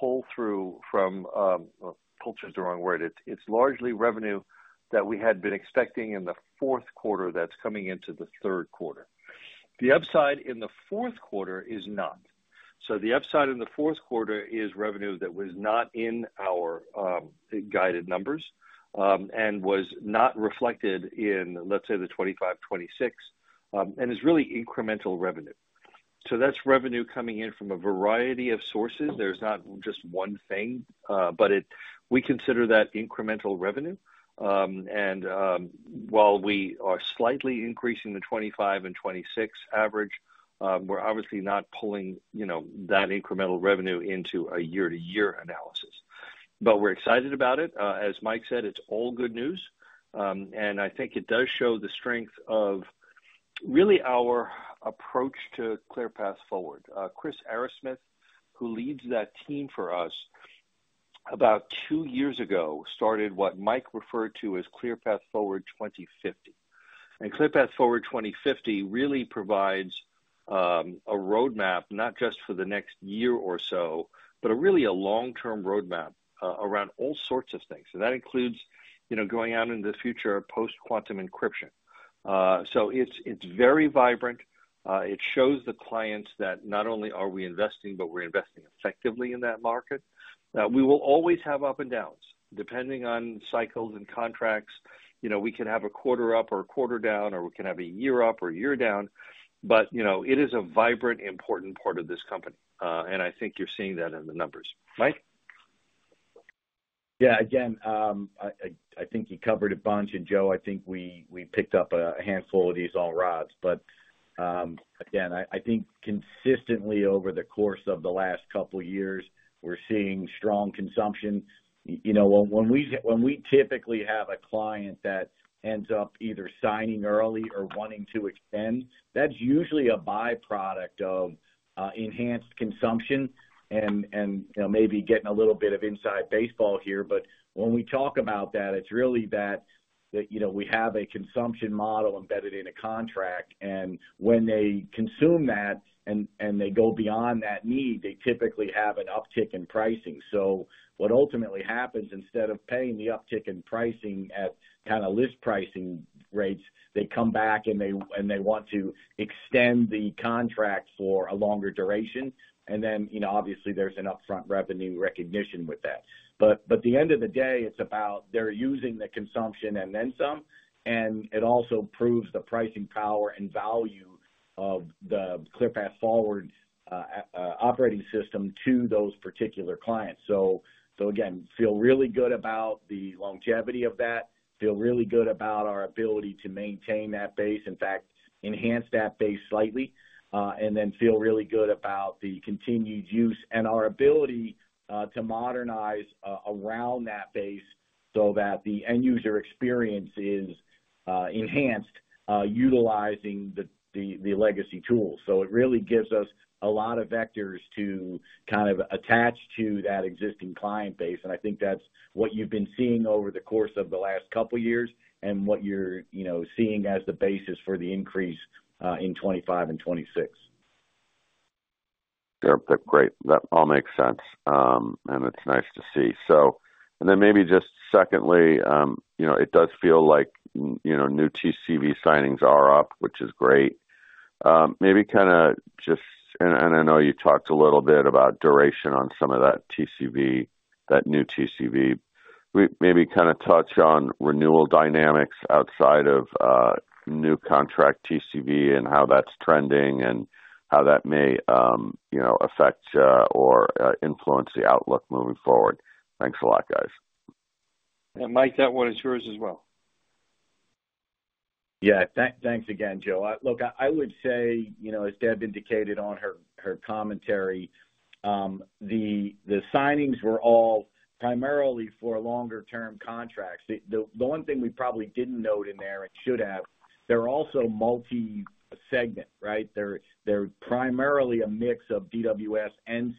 [SPEAKER 3] pull-through from pull-through is the wrong word. It's largely revenue that we had been expecting in the fourth quarter that's coming into the third quarter. The upside in the fourth quarter is not. So the upside in the fourth quarter is revenue that was not in our guided numbers and was not reflected in, let's say, the 2025, 2026, and is really incremental revenue. So that's revenue coming in from a variety of sources. There's not just one thing, but we consider that incremental revenue. And while we are slightly increasing the 2025 and 2026 average, we're obviously not pulling that incremental revenue into a year-to-year analysis. But we're excited about it. As Mike said, it's all good news. And I think it does show the strength of really our approach to ClearPath Forward. Chris Arrasmith, who leads that team for us, about two years ago started what Mike referred to as ClearPath Forward 2050. And ClearPath Forward 2050 really provides a roadmap not just for the next year or so, but really a long-term roadmap around all sorts of things. And that includes going out into the future post-quantum encryption. So it's very vibrant. It shows the clients that not only are we investing, but we're investing effectively in that market. We will always have ups and downs. Depending on cycles and contracts, we can have a quarter up or a quarter down, or we can have a year up or a year down. But it is a vibrant, important part of this company. And I think you're seeing that in the numbers. Mike?
[SPEAKER 6] Yeah, again, I think you covered a bunch. And Joe, I think we picked up a handful of these on Rod's. But again, I think consistently over the course of the last couple of years, we're seeing strong consumption. When we typically have a client that ends up either signing early or wanting to extend, that's usually a byproduct of enhanced consumption and maybe getting a little bit of inside baseball here. But when we talk about that, it's really that we have a consumption model embedded in a contract. And when they consume that and they go beyond that need, they typically have an uptick in pricing. So what ultimately happens, instead of paying the uptick in pricing at kind of list pricing rates, they come back and they want to extend the contract for a longer duration. And then obviously there's an upfront revenue recognition with that. But at the end of the day, it's about they're using the consumption and then some. And it also proves the pricing power and value of the ClearPath Forward operating system to those particular clients. So again, feel really good about the longevity of that, feel really good about our ability to maintain that base, in fact, enhance that base slightly, and then feel really good about the continued use and our ability to modernize around that base so that the end user experience is enhanced utilizing the legacy tools. So it really gives us a lot of vectors to kind of attach to that existing client base. And I think that's what you've been seeing over the course of the last couple of years and what you're seeing as the basis for the increase in 2025 and 2026.
[SPEAKER 7] Yeah, that's great. That all makes sense. And it's nice to see. And then maybe just secondly, it does feel like new TCV signings are up, which is great. Maybe kind of just, and I know you talked a little bit about duration on some of that TCV, that new TCV. Maybe kind of touch on renewal dynamics outside of new contract TCV and how that's trending and how that may affect or influence the outlook moving forward. Thanks a lot, guys.
[SPEAKER 3] And Mike, that one is yours as well. Yeah, thanks again, Joe.
[SPEAKER 6] Look, I would say, as Deb indicated on her commentary, the signings were all primarily for longer-term contracts. The one thing we probably didn't note in there and should have, they're also multi-segment, right? They're primarily a mix of DWS,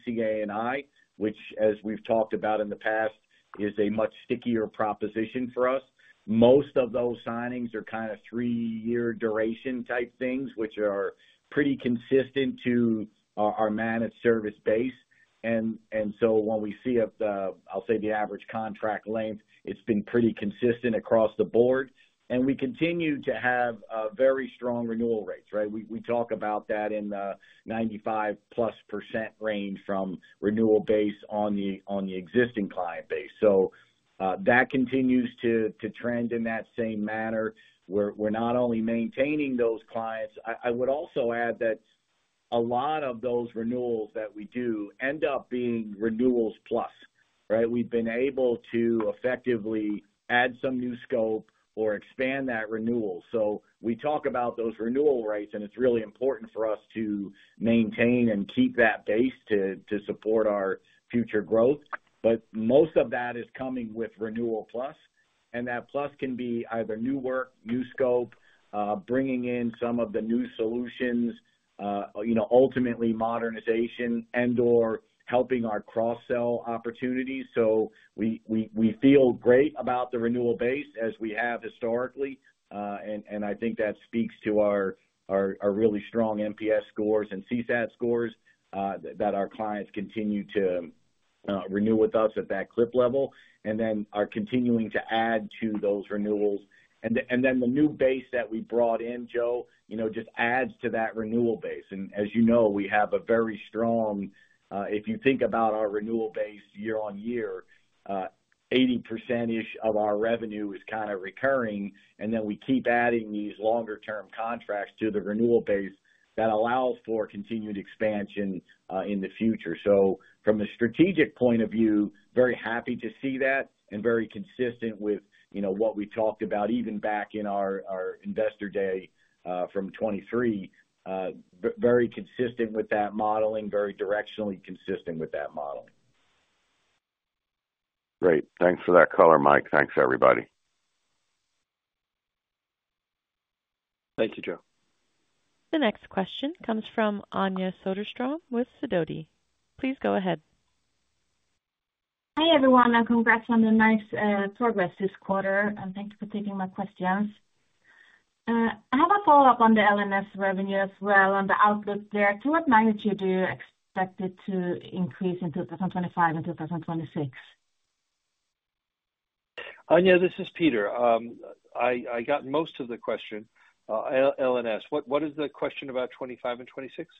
[SPEAKER 6] CA&I, which, as we've talked about in the past, is a much stickier proposition for us. Most of those signings are kind of three-year duration type things, which are pretty consistent to our managed service base. And so when we see the, I'll say, the average contract length, it's been pretty consistent across the board. And we continue to have very strong renewal rates, right? We talk about that in the 95-plus% range from renewal base on the existing client base. So that continues to trend in that same manner. We're not only maintaining those clients. I would also add that a lot of those renewals that we do end up being renewals plus, right? We've been able to effectively add some new scope or expand that renewal. So we talk about those renewal rates, and it's really important for us to maintain and keep that base to support our future growth. But most of that is coming with renewal plus. And that plus can be either new work, new scope, bringing in some of the new solutions, ultimately modernization and/or helping our cross-sell opportunities. So we feel great about the renewal base as we have historically. And I think that speaks to our really strong NPS scores and CSAT scores that our clients continue to renew with us at that clip level. And then are continuing to add to those renewals. And then the new base that we brought in, Joe, just adds to that renewal base. And as you know, we have a very strong, if you think about our renewal base year on year, 80%-ish of our revenue is kind of recurring. And then we keep adding these longer-term contracts to the renewal base that allows for continued expansion in the future. So from a strategic point of view, very happy to see that and very consistent with what we talked about even back in our investor day from 2023, very consistent with that modeling, very directionally consistent with that modeling.
[SPEAKER 7] Great. Thanks for that color, Mike. Thanks, everybody.
[SPEAKER 3] Thank you, Joe.
[SPEAKER 1] The next question comes from Anja Soderstrom with Sidoti. Please go ahead.
[SPEAKER 8] Hi everyone. Congrats on the nice progress this quarter. And thanks for taking my questions. I have a follow-up on the L&S revenue as well and the outlook there. To what magnitude do you expect it to increase in 2025 and 2026?
[SPEAKER 3] Anja, this is Peter. I got most of the question. L&S, what is the question about 2025 and 2026?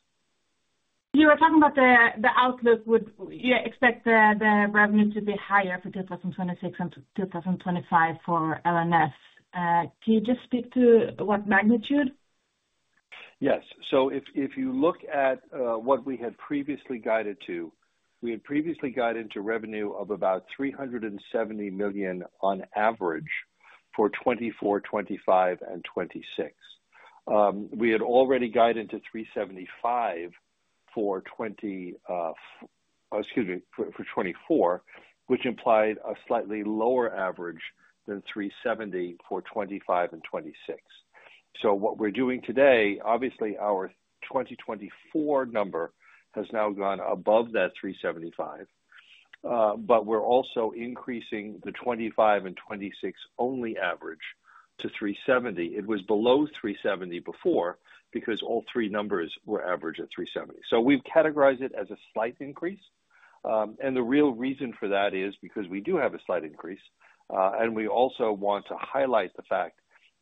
[SPEAKER 3] You were talking about the outlook.
[SPEAKER 8] We expect the revenue to be higher for 2026 and 2025 for L&S. Can you just speak to what magnitude?
[SPEAKER 3] Yes. So if you look at what we had previously guided to, we had previously guided to revenue of about $370 million on average for 2024, 2025, and 2026. We had already guided to $375 million for 2024, which implied a slightly lower average than $370 million for 2025 and 2026. So what we're doing today, obviously, our 2024 number has now gone above that $375 million, but we're also increasing the 2025 and 2026 only average to $370 million. It was below 370 before because all three numbers were averaged at 370. So we've categorized it as a slight increase. And the real reason for that is because we do have a slight increase. And we also want to highlight the fact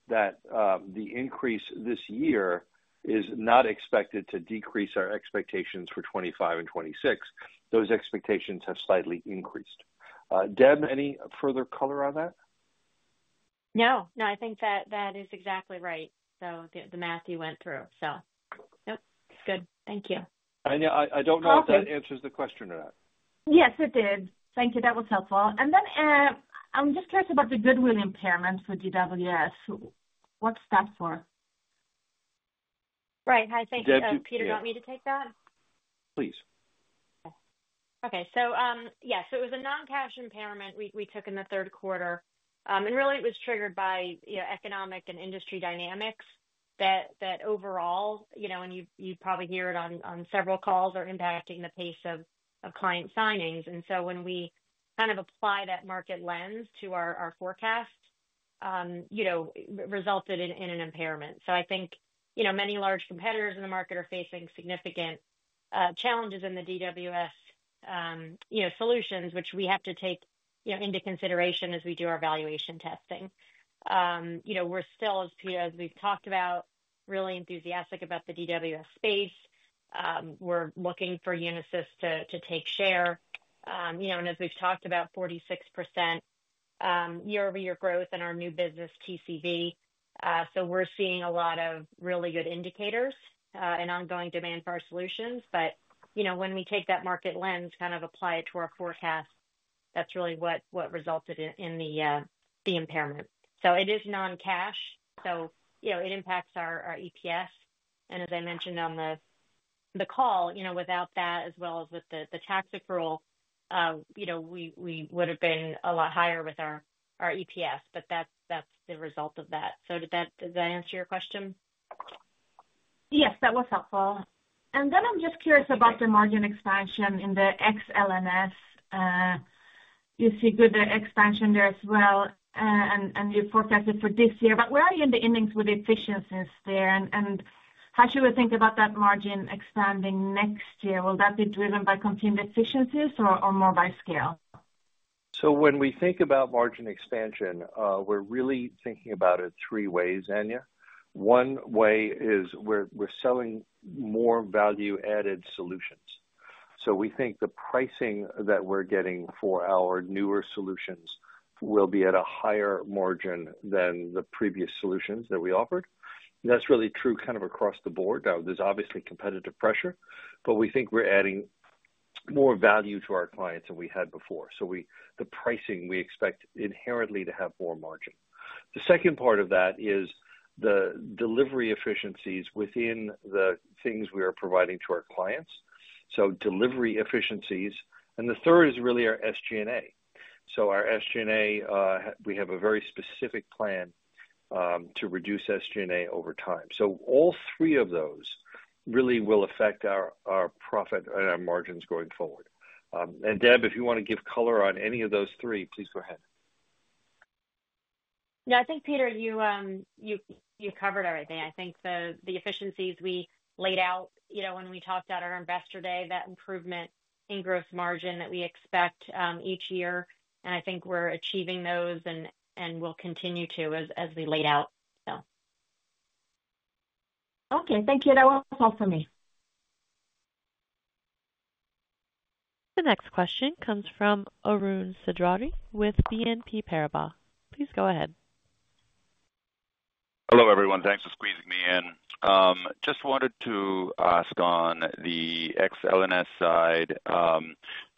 [SPEAKER 3] that the increase this year is not expected to decrease our expectations for 2025 and 2026. Those expectations have slightly increased. Deb, any further color on that?
[SPEAKER 4] No. No, I think that that is exactly right. So the math you went through. So no, it's good. Thank you.
[SPEAKER 3] Anja, I don't know if that answers the question or not.
[SPEAKER 8] Yes, it did. Thank you. That was helpful. And then I'm just curious about the goodwill impairment for DWS. What's that for?
[SPEAKER 4] Right. Hi, thank you. Did Peter want me to take that?
[SPEAKER 3] Please. Okay.
[SPEAKER 4] So yeah, so it was a non-cash impairment we took in the third quarter. And really, it was triggered by economic and industry dynamics that overall, and you'd probably hear it on several calls, are impacting the pace of client signings. And so when we kind of apply that market lens to our forecast, it resulted in an impairment. So I think many large competitors in the market are facing significant challenges in the DWS solutions, which we have to take into consideration as we do our valuation testing. We're still, as we've talked about, really enthusiastic about the DWS space. We're looking for Unisys to take share. And as we've talked about, 46% year-over-year growth in our new business TCV. So we're seeing a lot of really good indicators and ongoing demand for our solutions. But when we take that market lens, kind of apply it to our forecast, that's really what resulted in the impairment. So it is non-cash. So it impacts our EPS. And as I mentioned on the call, without that, as well as with the tax accrual, we would have been a lot higher with our EPS. But that's the result of that. So does that answer your question?
[SPEAKER 8] Yes, that was helpful. And then I'm just curious about the margin expansion in the XL&S. You see good expansion there as well. And you forecasted for this year. But where are you in the innings with efficiencies there? And how should we think about that margin expanding next year? Will that be driven by continued efficiencies or more by scale?
[SPEAKER 3] So when we think about margin expansion, we're really thinking about it three ways, Anja. One way is we're selling more value-added solutions. So we think the pricing that we're getting for our newer solutions will be at a higher margin than the previous solutions that we offered. That's really true kind of across the board. There's obviously competitive pressure, but we think we're adding more value to our clients than we had before. So the pricing, we expect inherently to have more margin. The second part of that is the delivery efficiencies within the things we are providing to our clients. So delivery efficiencies. And the third is really our SG&A. So our SG&A, we have a very specific plan to reduce SG&A over time. So all three of those really will affect our profit and our margins going forward. And Deb, if you want to give color on any of those three, please go ahead.
[SPEAKER 4] No, I think, Peter, you covered everything. I think the efficiencies we laid out when we talked at our investor day, that improvement in gross margin that we expect each year, and I think we're achieving those and will continue to as we laid out, so.
[SPEAKER 8] Okay. Thank you. That was all for me.
[SPEAKER 1] The next question comes from Arun Seshadri with BNP Paribas. Please go ahead.
[SPEAKER 9] Hello, everyone. Thanks for squeezing me in. Just wanted to ask on the XL&S side.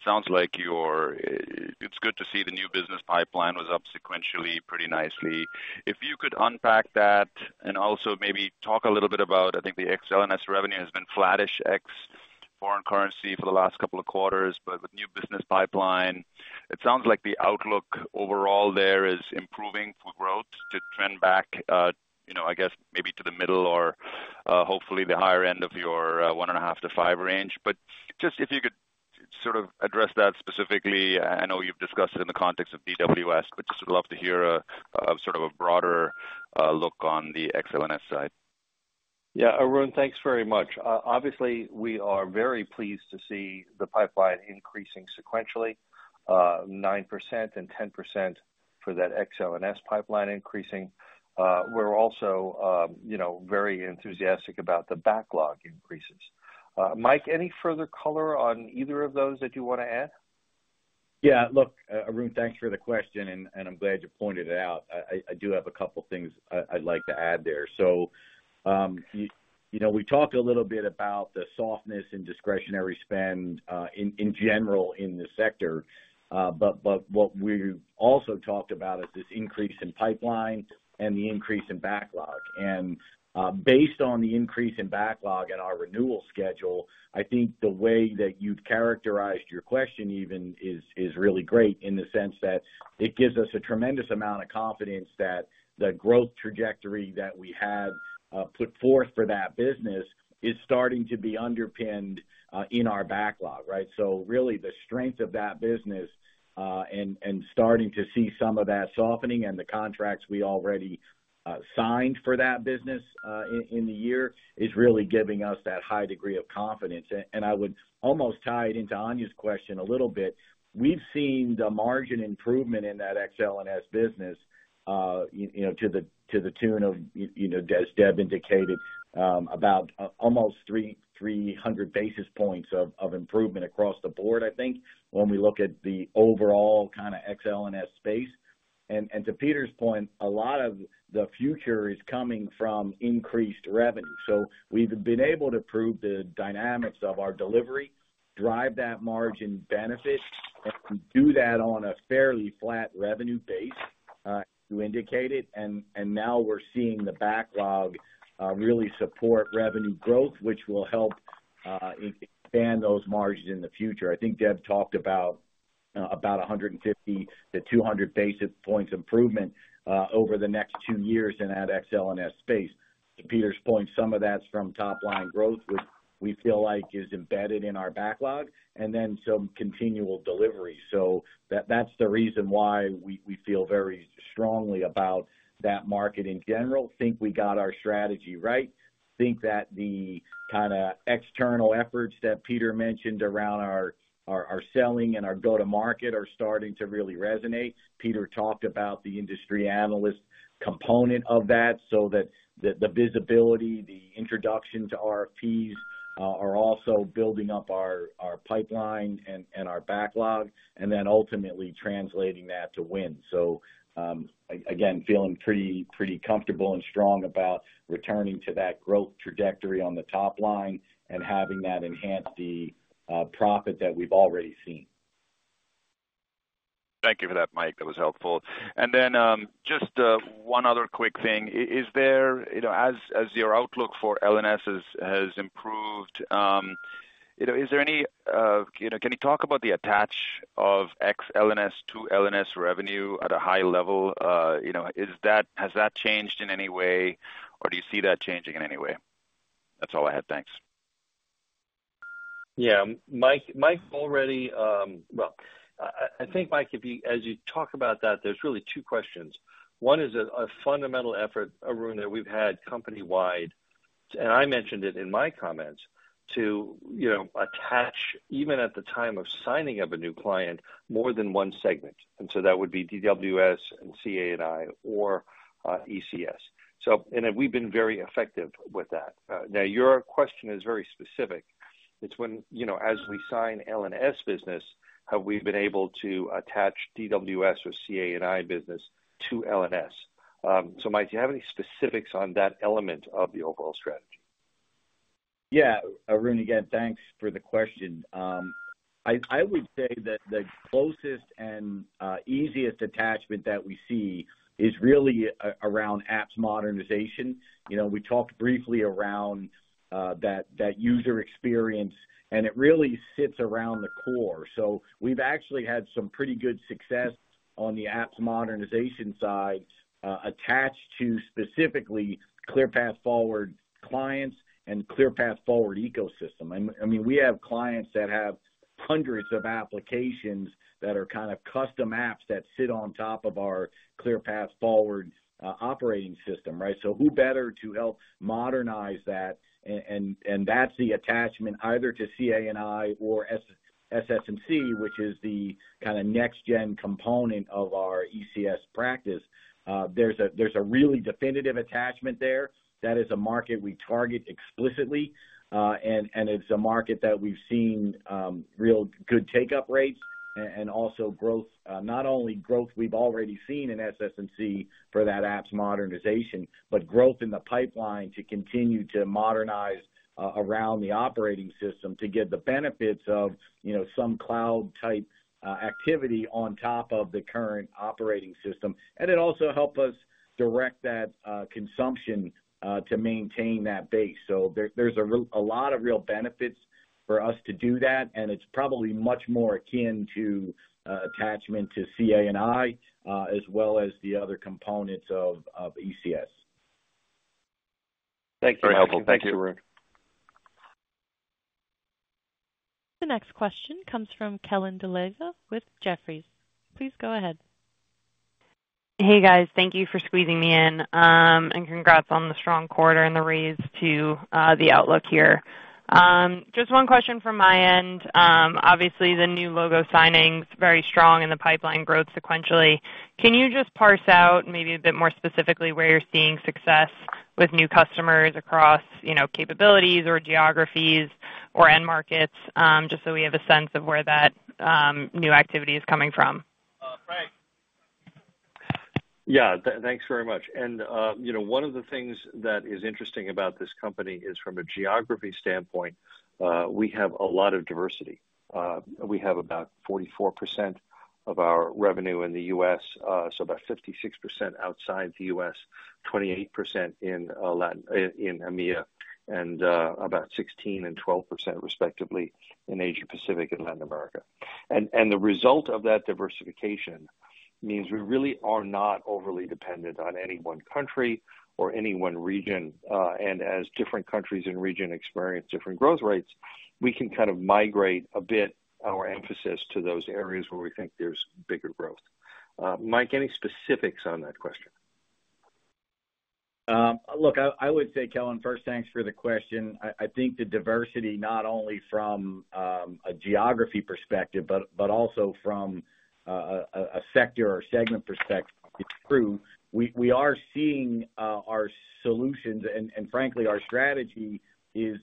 [SPEAKER 9] Sounds like it's good to see the new business pipeline was up sequentially pretty nicely. If you could unpack that and also maybe talk a little bit about, I think the XL&S revenue has been flattish ex foreign currency for the last couple of quarters, but with new business pipeline, it sounds like the outlook overall there is improving for growth to trend back, I guess, maybe to the middle or hopefully the higher end of your one and a half to five range. But just if you could sort of address that specifically, I know you've discussed it in the context of DWS, but just would love to hear sort of a broader look on the XL&S side.
[SPEAKER 3] Yeah. Arun, thanks very much. Obviously, we are very pleased to see the pipeline increasing sequentially, 9% and 10% for that XL&S pipeline increasing. We're also very enthusiastic about the backlog increases. Mike, any further color on either of those that you want to add?
[SPEAKER 6] Yeah. Look, Arun, thanks for the question, and I'm glad you pointed it out. I do have a couple of things I'd like to add there. So we talked a little bit about the softness and discretionary spend in general in the sector. But what we also talked about is this increase in pipeline and the increase in backlog. And based on the increase in backlog and our renewal schedule, I think the way that you've characterized your question even is really great in the sense that it gives us a tremendous amount of confidence that the growth trajectory that we had put forth for that business is starting to be underpinned in our backlog, right? Really, the strength of that business and starting to see some of that softening and the contracts we already signed for that business in the year is really giving us that high degree of confidence. I would almost tie it into Anja's question a little bit. We've seen the margin improvement in that XL&S business to the tune of, as Deb indicated, about almost 300 basis points of improvement across the board, I think, when we look at the overall kind of XL&S space. To Peter's point, a lot of the future is coming from increased revenue. We've been able to prove the dynamics of our delivery, drive that margin benefit, and do that on a fairly flat revenue base, you indicated. Now we're seeing the backlog really support revenue growth, which will help expand those margins in the future. I think Deb talked about 150-200 basis points improvement over the next two years in that XL&S space. To Peter's point, some of that's from top-line growth, which we feel like is embedded in our backlog, and then some continual delivery. So that's the reason why we feel very strongly about that market in general. Think we got our strategy right. Think that the kind of external efforts that Peter mentioned around our selling and our go-to-market are starting to really resonate. Peter talked about the industry analyst component of that so that the visibility, the introduction to RFPs are also building up our pipeline and our backlog, and then ultimately translating that to wins. So again, feeling pretty comfortable and strong about returning to that growth trajectory on the top line and having that enhance the profit that we've already seen.
[SPEAKER 9] Thank you for that, Mike. That was helpful. And then just one other quick thing. As your outlook for L&S has improved, can you talk about the attach of XL&S to L&S revenue at a high level? Has that changed in any way, or do you see that changing in any way? That's all I had. Thanks.
[SPEAKER 3] Yeah. Mike, well, I think, Mike, as you talk about that, there's really two questions. One is a fundamental effort, Arun, that we've had company-wide. And I mentioned it in my comments to attach, even at the time of signing of a new client, more than one segment. And so that would be DWS and CA&I or ECS. And we've been very effective with that. Now, your question is very specific. It's when, as we sign L&S business, have we been able to attach DWS or CA&I business to L&S? So Mike, do you have any specifics on that element of the overall strategy?
[SPEAKER 6] Yeah. Arun, again, thanks for the question. I would say that the closest and easiest attachment that we see is really around apps modernization. We talked briefly around that user experience, and it really sits around the core. So we've actually had some pretty good success on the apps modernization side attached to specifically ClearPath Forward clients and ClearPath Forward ecosystem. I mean, we have clients that have hundreds of applications that are kind of custom apps that sit on top of our ClearPath Forward operating system, right? So who better to help modernize that? And that's the attachment either to CA&I or SS&C, which is the kind of next-gen component of our ECS practice. There's a really definitive attachment there. That is a market we target explicitly. And it's a market that we've seen real good take-up rates and also growth, not only growth we've already seen in SS&C for that apps modernization, but growth in the pipeline to continue to modernize around the operating system to get the benefits of some cloud-type activity on top of the current operating system. And it also helped us direct that consumption to maintain that base. So there's a lot of real benefits for us to do that. And it's probably much more akin to attachment to CA&I as well as the other components of ECS.
[SPEAKER 9] Thank you. Very helpful.
[SPEAKER 3] Thank you, Arun.
[SPEAKER 1] The next question comes from Kellen D'Alleva with Jefferies. Please go ahead.
[SPEAKER 10] Hey, guys. Thank you for squeezing me in. And congrats on the strong quarter and the raise to the outlook here. Just one question from my end. Obviously, the new logo signing is very strong in the pipeline growth sequentially. Can you just parse out maybe a bit more specifically where you're seeing success with new customers across capabilities or geographies or end markets, just so we have a sense of where that new activity is coming from?
[SPEAKER 3] Yeah. Thanks very much, and one of the things that is interesting about this company is from a geography standpoint, we have a lot of diversity. We have about 44% of our revenue in the U.S., so about 56% outside the U.S., 28% in EMEA, and about 16% and 12%, respectively, in Asia-Pacific and Latin America, and the result of that diversification means we really are not overly dependent on any one country or any one region. As different countries and regions experience different growth rates, we can kind of migrate a bit our emphasis to those areas where we think there's bigger growth. Mike, any specifics on that question?
[SPEAKER 6] Look, I would say, Kellen, first, thanks for the question. I think the diversity, not only from a geography perspective, but also from a sector or segment perspective, is true. We are seeing our solutions, and frankly, our strategy is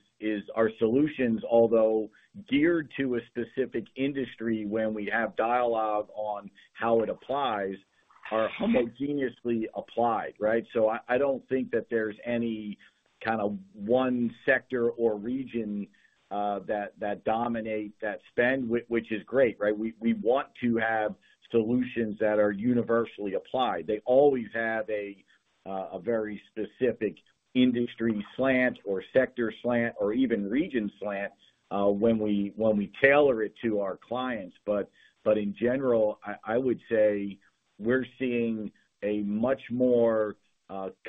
[SPEAKER 6] our solutions, although geared to a specific industry when we have dialogue on how it applies, are homogeneously applied, right? I don't think that there's any kind of one sector or region that dominates that spend, which is great, right? We want to have solutions that are universally applied. They always have a very specific industry slant or sector slant or even region slant when we tailor it to our clients. But in general, I would say we're seeing a much more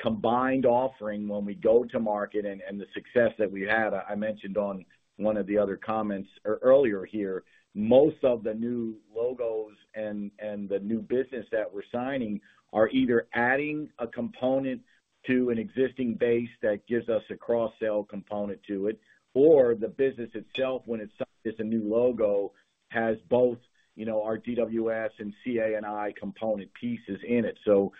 [SPEAKER 6] combined offering when we go to market. And the success that we've had, I mentioned on one of the other comments earlier here, most of the new logos and the new business that we're signing are either adding a component to an existing base that gives us a cross-sell component to it, or the business itself, when it signs a new logo, has both our DWS and CA&I component pieces in it. So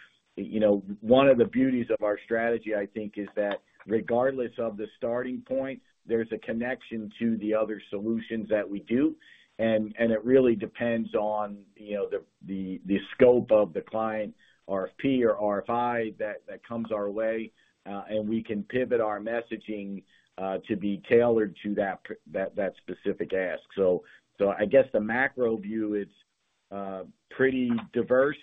[SPEAKER 6] one of the beauties of our strategy, I think, is that regardless of the starting point, there's a connection to the other solutions that we do. And it really depends on the scope of the client RFP or RFI that comes our way. And we can pivot our messaging to be tailored to that specific ask. So I guess the macro view is pretty diverse,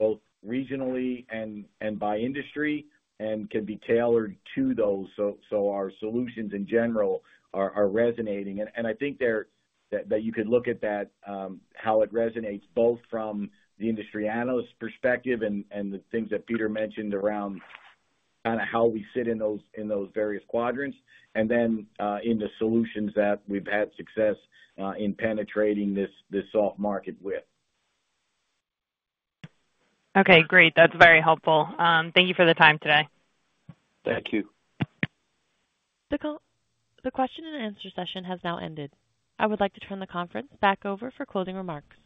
[SPEAKER 6] both regionally and by industry, and can be tailored to those. So our solutions in general are resonating. And I think that you could look at that, how it resonates both from the industry analyst perspective and the things that Peter mentioned around kind of how we sit in those various quadrants, and then in the solutions that we've had success in penetrating this soft market with.
[SPEAKER 9] Okay. Great. That's very helpful. Thank you for the time today.
[SPEAKER 1] Thank you. The question and answer session has now ended. I would like to turn the conference back over for closing remarks.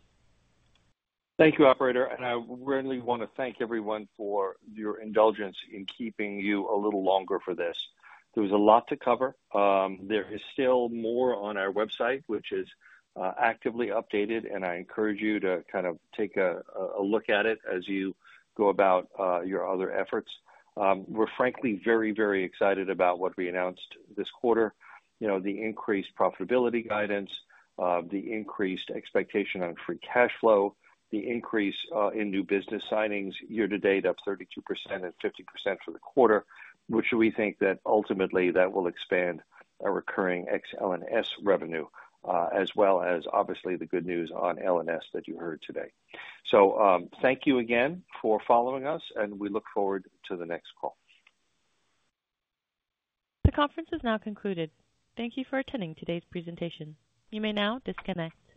[SPEAKER 3] Thank you, operator. And I really want to thank everyone for your indulgence in keeping you a little longer for this. There was a lot to cover. There is still more on our website, which is actively updated. I encourage you to kind of take a look at it as you go about your other efforts. We're frankly very, very excited about what we announced this quarter: the increased profitability guidance, the increased expectation on free cash flow, the increase in new business signings year-to-date of 32% and 50% for the quarter, which we think that ultimately that will expand our recurring XL&S revenue, as well as, obviously, the good news on L&S that you heard today. Thank you again for following us, and we look forward to the next call.
[SPEAKER 1] The conference is now concluded. Thank you for attending today's presentation. You may now disconnect.